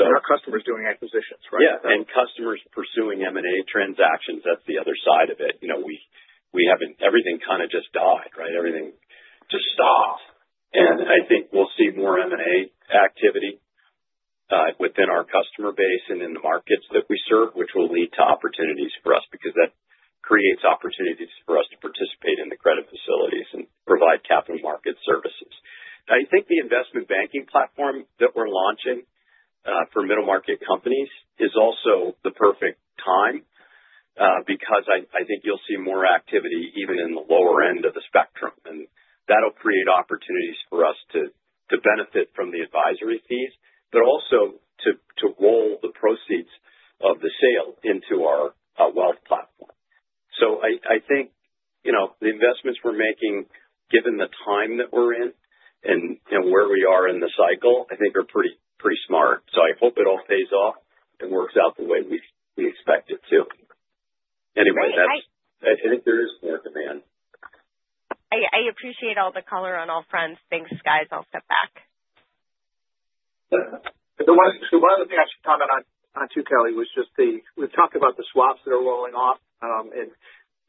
Our customers doing acquisitions, right? Yeah. Customers pursuing M&A transactions. That's the other side of it. Everything kind of just died, right? Everything just stopped. I think we'll see more M&A activity within our customer base and in the markets that we serve, which will lead to opportunities for us because that creates opportunities for us to participate in the credit facilities and provide capital market services. I think the investment banking platform that we're launching for middle market companies is also the perfect time because I think you'll see more activity even in the lower end of the spectrum. And that'll create opportunities for us to benefit from the advisory fees, but also to roll the proceeds of the sale into our wealth platform. So I think the investments we're making, given the time that we're in and where we are in the cycle, I think are pretty smart. So I hope it all pays off and works out the way we expect it to. Anyway, I think there is more demand. I appreciate all the color on all fronts. Thanks, guys. I'll step back. The one other thing I should comment on too, Kelly, was just we've talked about the swaps that are rolling off, and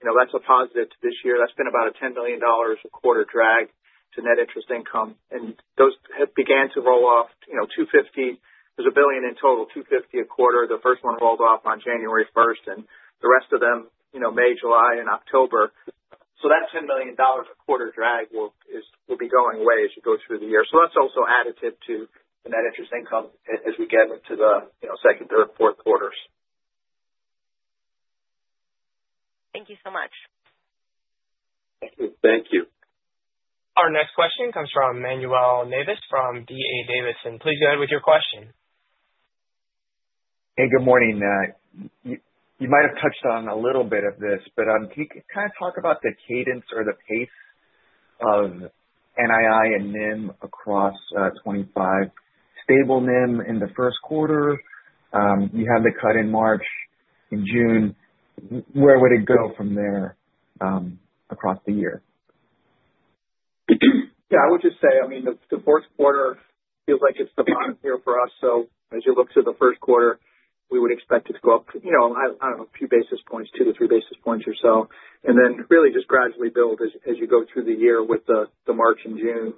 that's a positive to this year. That's been about a $10 million a quarter drag to net interest income. And those began to roll off $250 million. There's $1 billion in total, $250 million a quarter. The first one rolled off on January 1st, and the rest of them May, July, and October. So that $10 million a quarter drag will be going away as you go through the year. So that's also additive to the net interest income as we get into the second, third, fourth quarters. Thank you so much. Thank you. Thank you. Our next question comes from Manuel Navas from D.A. Davidson. And please go ahead with your question. Hey, good morning. You might have touched on a little bit of this, but can you kind of talk about the cadence or the pace of NII and NIM across 2025? Stable NIM in the first quarter. You had the cut in March and June. Where would it go from there across the year? Yeah. I would just say, I mean, the fourth quarter feels like it's the bottom tier for us. As you look to the first quarter, we would expect it to go up, I don't know, a few basis points, two to three basis points or so, and then really just gradually build as you go through the year with the March and June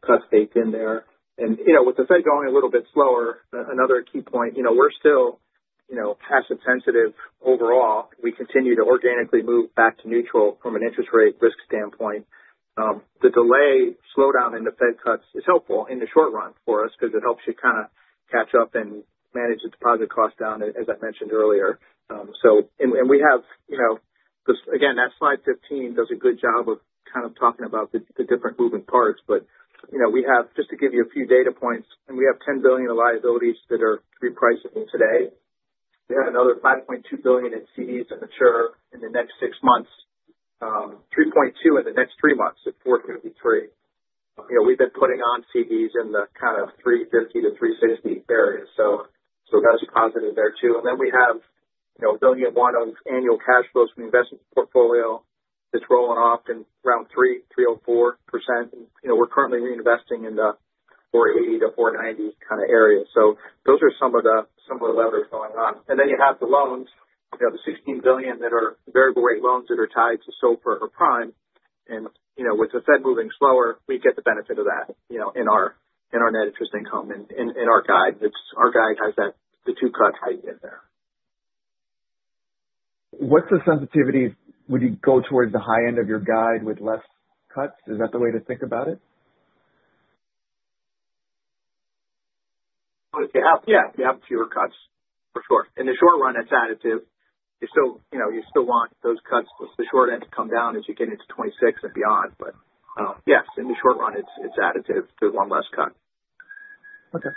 cuts baked in there. With the Fed going a little bit slower, another key point, we're still asset-sensitive overall. We continue to organically move back to neutral from an interest rate risk standpoint. The delayed slowdown in the Fed cuts is helpful in the short run for us because it helps you kind of catch up and manage the deposit costs down, as I mentioned earlier. We have, again, that slide 15 does a good job of kind of talking about the different moving parts. But we have, just to give you a few data points, and we have $10 billion of liabilities that are repricing today. We have another $5.2 billion in CDs to mature in the next six months, $3.2 billion in the next three months at 4.53%. We've been putting on CDs in the kind of 3.50%-3.60% area. So that's a positive there too. And then we have $1.01 billion of annual cash flows from investment portfolio that's rolling off around 3.04%. And we're currently reinvesting in the 4.80%-4.90% kind of area. So those are some of the levers going on. And then you have the loans, the $16 billion that are variable-rate loans that are tied to SOFR or prime. And with the Fed moving slower, we get the benefit of that in our net interest income and in our guide. Our guide has the two cut hike in there. What's the sensitivity? Would you go towards the high end of your guide with less cuts? Is that the way to think about it? Yeah. You have fewer cuts, for sure. In the short run, it's additive. You still want those cuts with the short end to come down as you get into 2026 and beyond. But yes, in the short run, it's additive to one less cut. Okay.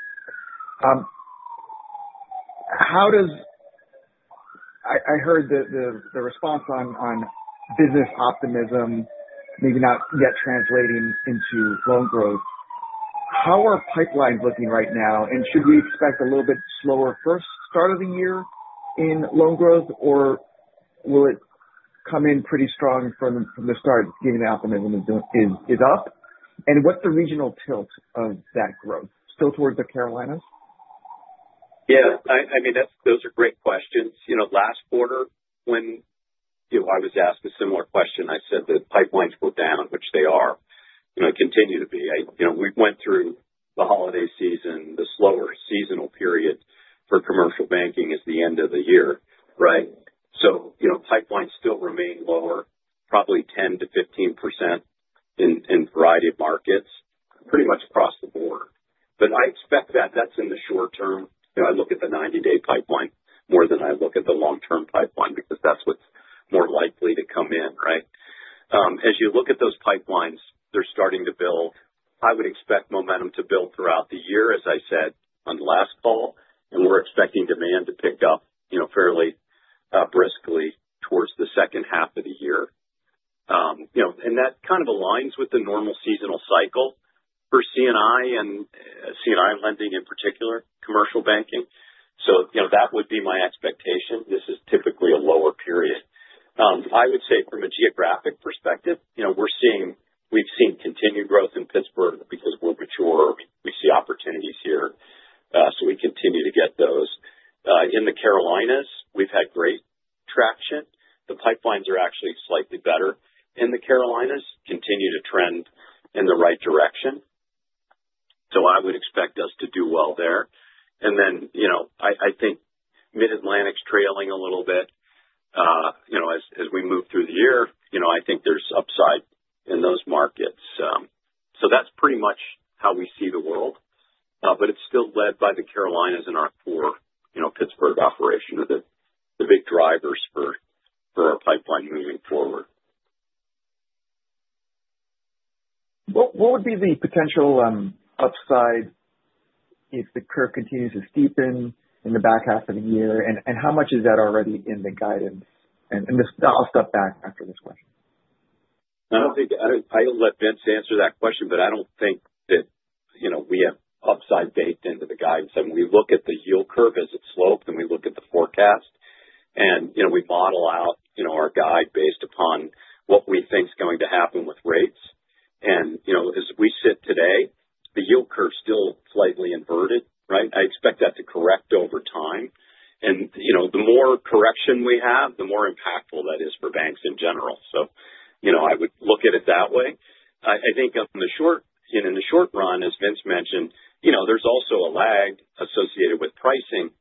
I heard the response on business optimism, maybe not yet translating into loan growth. How are pipelines looking right now? And should we expect a little bit slower first start of the year in loan growth, or will it come in pretty strong from the start, given the optimism is up? And what's the regional tilt of that growth? Still towards the Carolinas? Yeah. I mean, those are great questions. Last quarter, when I was asked a similar question, I said that pipelines were down, which they are and continue to be. We went through the holiday season. The slower seasonal period for commercial banking is the end of the year, right? So pipelines still remain lower, probably 10%-15% in a variety of markets, pretty much across the board. But I expect that that's in the short term. I look at the 90-day pipeline more than I look at the long-term pipeline because that's what's more likely to come in, right? As you look at those pipelines, they're starting to build. I would expect momentum to build throughout the year, as I said on the last call, and we're expecting demand to pick up fairly briskly towards the second half of the year. And that kind of aligns with the normal seasonal cycle for C&I and C&I lending in particular, commercial banking. So that would be my expectation. This is typically a lower period. I would say from a geographic perspective, we've seen continued growth in Pittsburgh because we're mature. We see opportunities here, so we continue to get those. In the Carolinas, we've had great traction. The pipelines are actually slightly better. In the Carolinas, continue to trend in the right direction. So I would expect us to do well there. And then I think Mid-Atlantic's trailing a little bit as we move through the year. I think there's upside in those markets. So that's pretty much how we see the world. But it's still led by the Carolinas and our core Pittsburgh operation are the big drivers for our pipeline moving forward. What would be the potential upside if the curve continues to steepen in the back half of the year? And how much is that already in the guidance? And I'll step back after this question. I don't think I'll let Vince answer that question, but I don't think that we have upside baked into the guidance. And we look at the yield curve as it's sloped, and we look at the forecast. And we model out our guide based upon what we think is going to happen with rates. And as we sit today, the yield curve is still slightly inverted, right? I expect that to correct over time. And the more correction we have, the more impactful that is for banks in general. So I would look at it that way. I think in the short run, as Vince mentioned, there's also a lag associated with pricing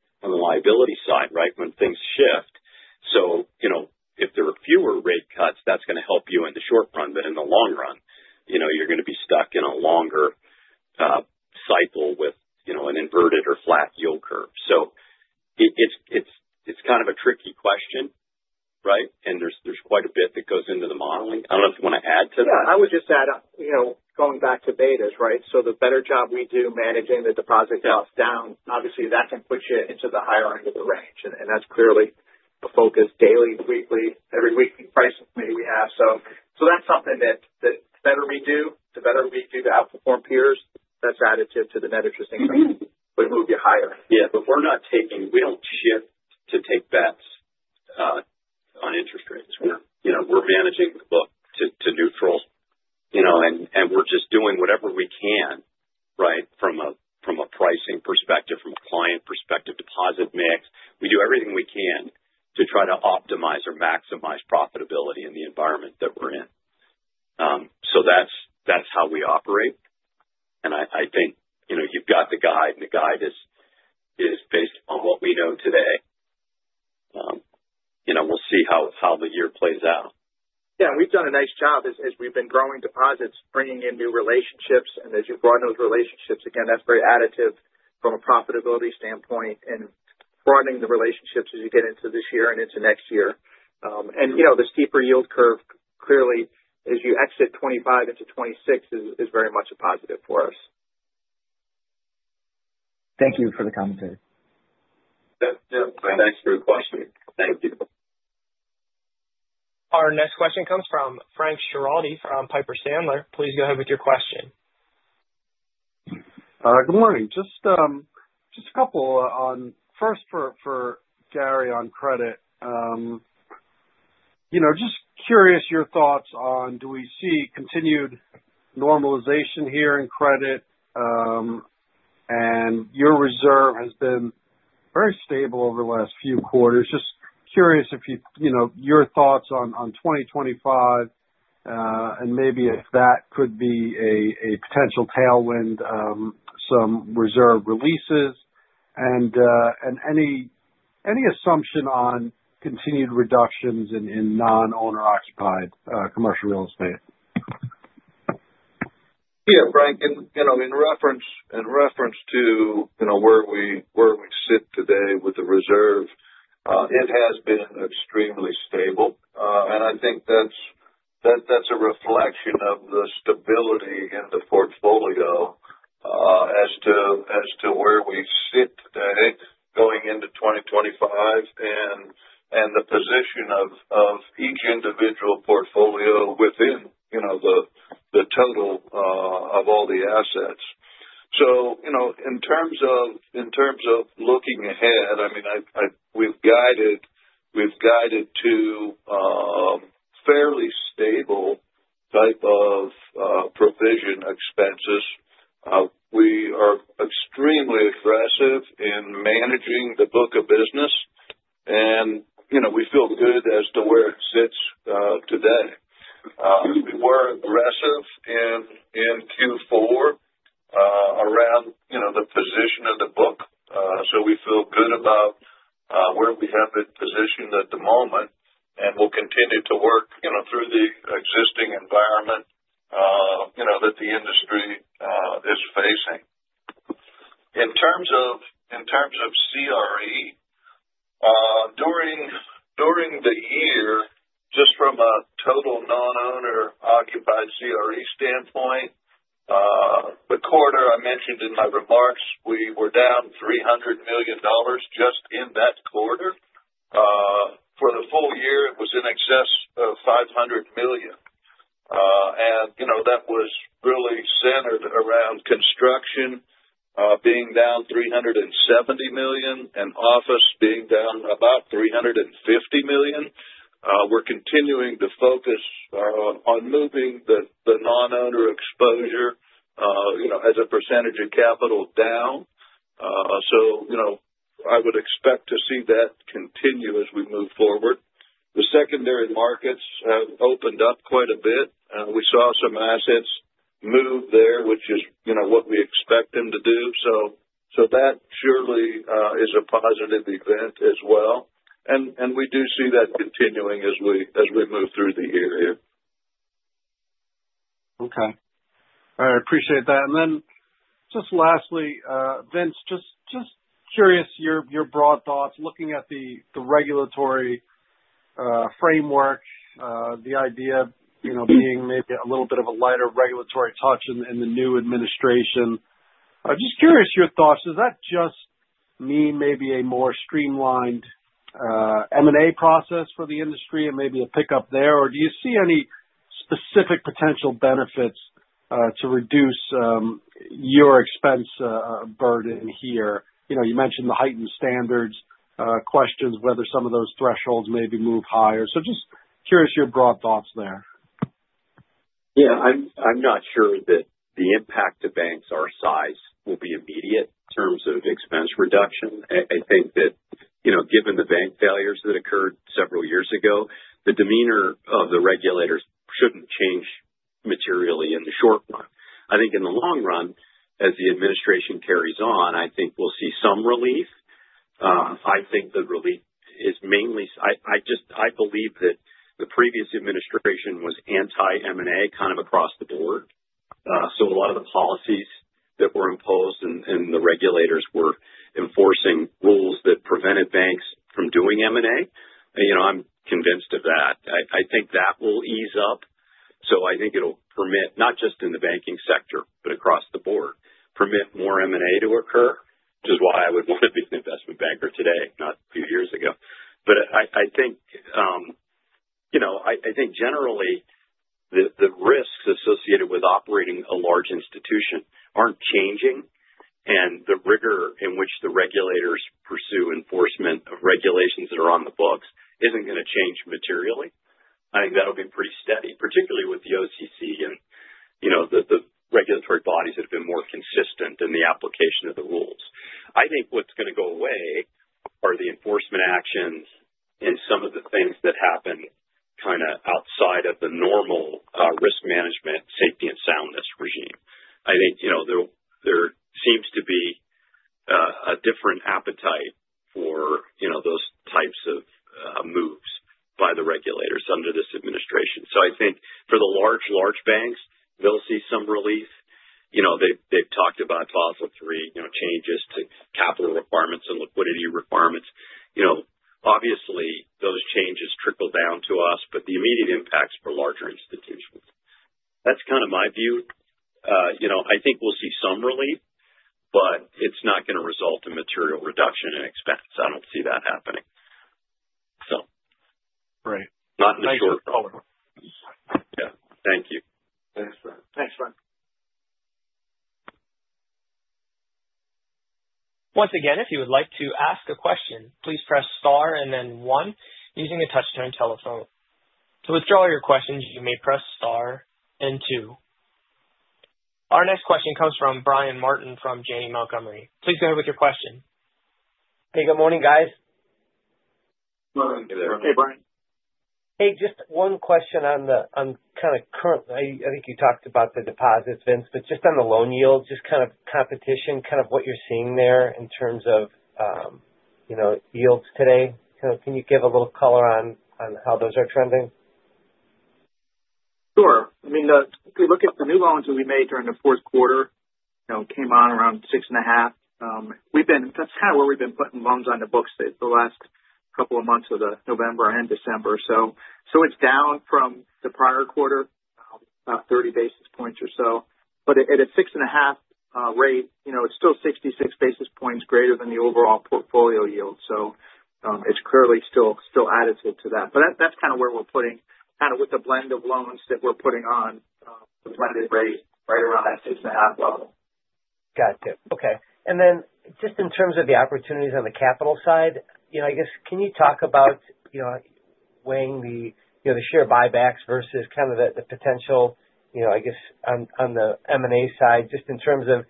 Good morning. Just a couple on first for Gary on credit. Just curious your thoughts on do we see continued normalization here in credit? And your reserve has been very stable over the last few quarters. Just curious if your thoughts on 2025 and maybe if that could be a potential tailwind, some reserve releases, and any assumption on continued reductions in non-owner-occupied commercial real estate? Yeah, Frank. In reference to where we sit today with the reserve, it has been extremely stable, and I think that's a reflection of the stability in the portfolio as to where we sit today going into 2025 and the position of each individual portfolio within the total of all the assets, so in terms of looking ahead, I mean, we've guided to fairly stable type of provision expenses. We are extremely aggressive in managing the book of business, and we feel good as to where it sits today. We were aggressive in Q4 around the position of the book, so we feel good about where we have been positioned at the moment and will continue to work through the existing environment that the industry is facing. In terms of CRE, during the year, just from a total non-owner-occupied CRE standpoint, the quarter I mentioned in my remarks, we were down $300 million just in that quarter. For the full year, it was in excess of $500 million. And that was really centered around construction being down $370 million and office being down about $350 million. We're continuing to focus on moving the non-owner exposure as a percentage of capital down. So I would expect to see that continue as we move forward. The secondary markets have opened up quite a bit. We saw some assets move there, which is what we expect them to do. So that surely is a positive event as well. And we do see that continuing as we move through the year. Okay. I appreciate that. And then just lastly, Vince, just curious your broad thoughts. Looking at the regulatory framework, the idea being maybe a little bit of a lighter regulatory touch in the new administration, I'm just curious your thoughts. Is that just mean maybe a more streamlined M&A process for the industry and maybe a pickup there? Or do you see any specific potential benefits to reduce your expense burden here? You mentioned the heightened standards, questions whether some of those thresholds maybe move higher. So just curious your broad thoughts there. Yeah. I'm not sure that the impact to banks our size will be immediate in terms of expense reduction. I think that given the bank failures that occurred several years ago, the demeanor of the regulators shouldn't change materially in the short run. I think in the long run, as the administration carries on, I think we'll see some relief. I think the relief is mainly I believe that the previous administration was anti-M&A kind of across the board. So a lot of the policies that were imposed and the regulators were enforcing rules that prevented banks from doing M&A. I'm convinced of that. I think that will ease up. So I think it'll permit, not just in the banking sector, but across the board, permit more M&A to occur, which is why I would want to be an investment banker today, not a few years ago. But I think generally, the Can you give a little color on how those are trending? Sure. I mean, if you look at the new loans that we made during the fourth quarter, came on around 6 and a half. That's kind of where we've been putting loans on the books the last couple of months of November and December. So it's down from the prior quarter, about 30 basis points or so. But at a 6 and a half rate, it's still 66 basis points greater than the overall portfolio yield. So it's clearly still additive to that. But that's kind of where we're putting kind of with the blend of loans that we're putting on, the blended rate right around that 6 and a half level. Gotcha. Okay. And then just in terms of the opportunities on the capital side, I guess, can you talk about weighing the share buybacks versus kind of the potential, I guess, on the M&A side, just in terms of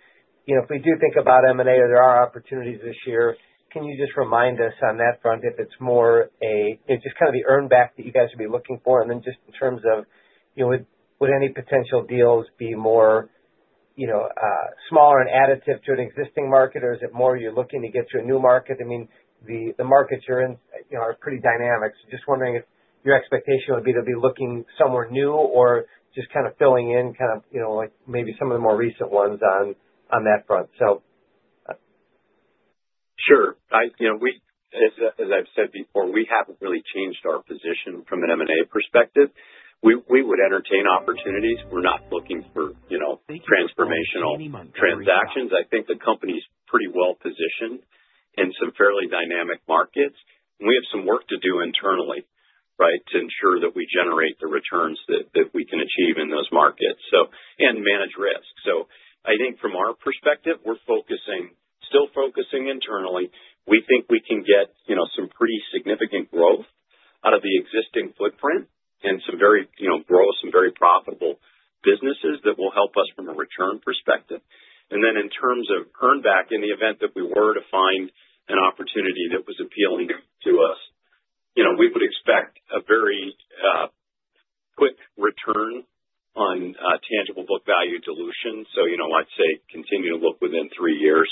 if we do think about M&A or there are opportunities this year, can you just remind us on that front if it's more a just kind of the earnback that you guys would be looking for? Then just in terms of would any potential deals be more smaller and additive to an existing market, or is it more you're looking to get to a new market? I mean, the markets you're in are pretty dynamic. So just wondering if your expectation would be to be looking somewhere new or just kind of filling in kind of maybe some of the more recent ones on that front, so. Sure. As I've said before, we haven't really changed our position from an M&A perspective. We would entertain opportunities. We're not looking for transformational transactions. I think the company's pretty well positioned in some fairly dynamic markets. We have some work to do internally, right, to ensure that we generate the returns that we can achieve in those markets and manage risk. I think from our perspective, we're still focusing internally. We think we can get some pretty significant growth out of the existing footprint and some very profitable businesses that will help us from a return perspective. And then in terms of earnback, in the event that we were to find an opportunity that was appealing to us, we would expect a very quick return on tangible book value dilution. So I'd say continue to look within three years,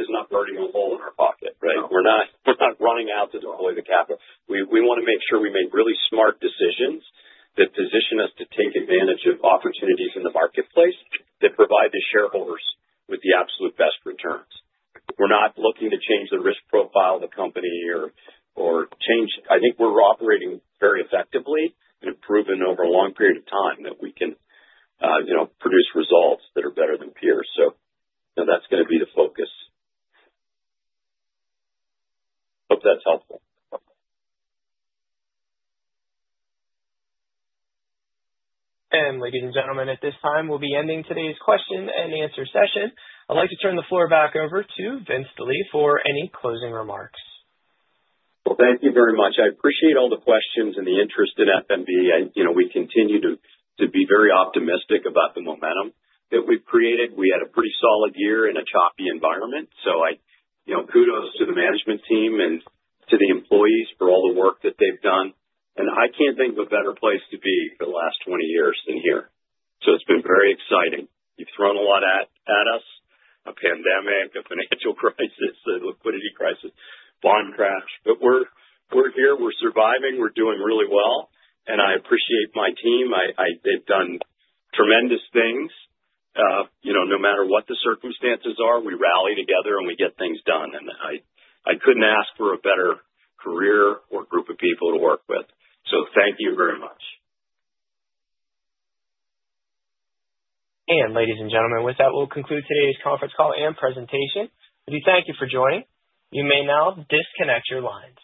is not burning a hole in our pocket, right? We're not running out to deploy the capital. We want to make sure we make really smart decisions that position us to take advantage of opportunities in the marketplace that provide the shareholders with the absolute best returns. We're not looking to change the risk profile of the company or change. I think we're operating very effectively and have proven over a long period of time that we can produce results that are better than peers. So that's going to be the focus. Hope that's helpful, and ladies and gentlemen, at this time, we'll be ending today's question and answer session. I'd like to turn the floor back over to Vince Delie for any closing remarks. Well, thank you very much. I appreciate all the questions and the interest in F.N.B. We continue to be very optimistic about the momentum that we've created. We had a pretty solid year in a choppy environment. So kudos to the management team and to the employees for all the work that they've done, and I can't think of a better place to be for the last 20 years than here. So it's been very exciting. You've thrown a lot at us: a pandemic, a financial crisis, a liquidity crisis, bond crash. But we're here. We're surviving. We're doing really well. And I appreciate my team. They've done tremendous things. No matter what the circumstances are, we rally together and we get things done. And I couldn't ask for a better career or group of people to work with. So thank you very much. And ladies and gentlemen, with that, we'll conclude today's conference call and presentation. We thank you for joining. You may now disconnect your lines.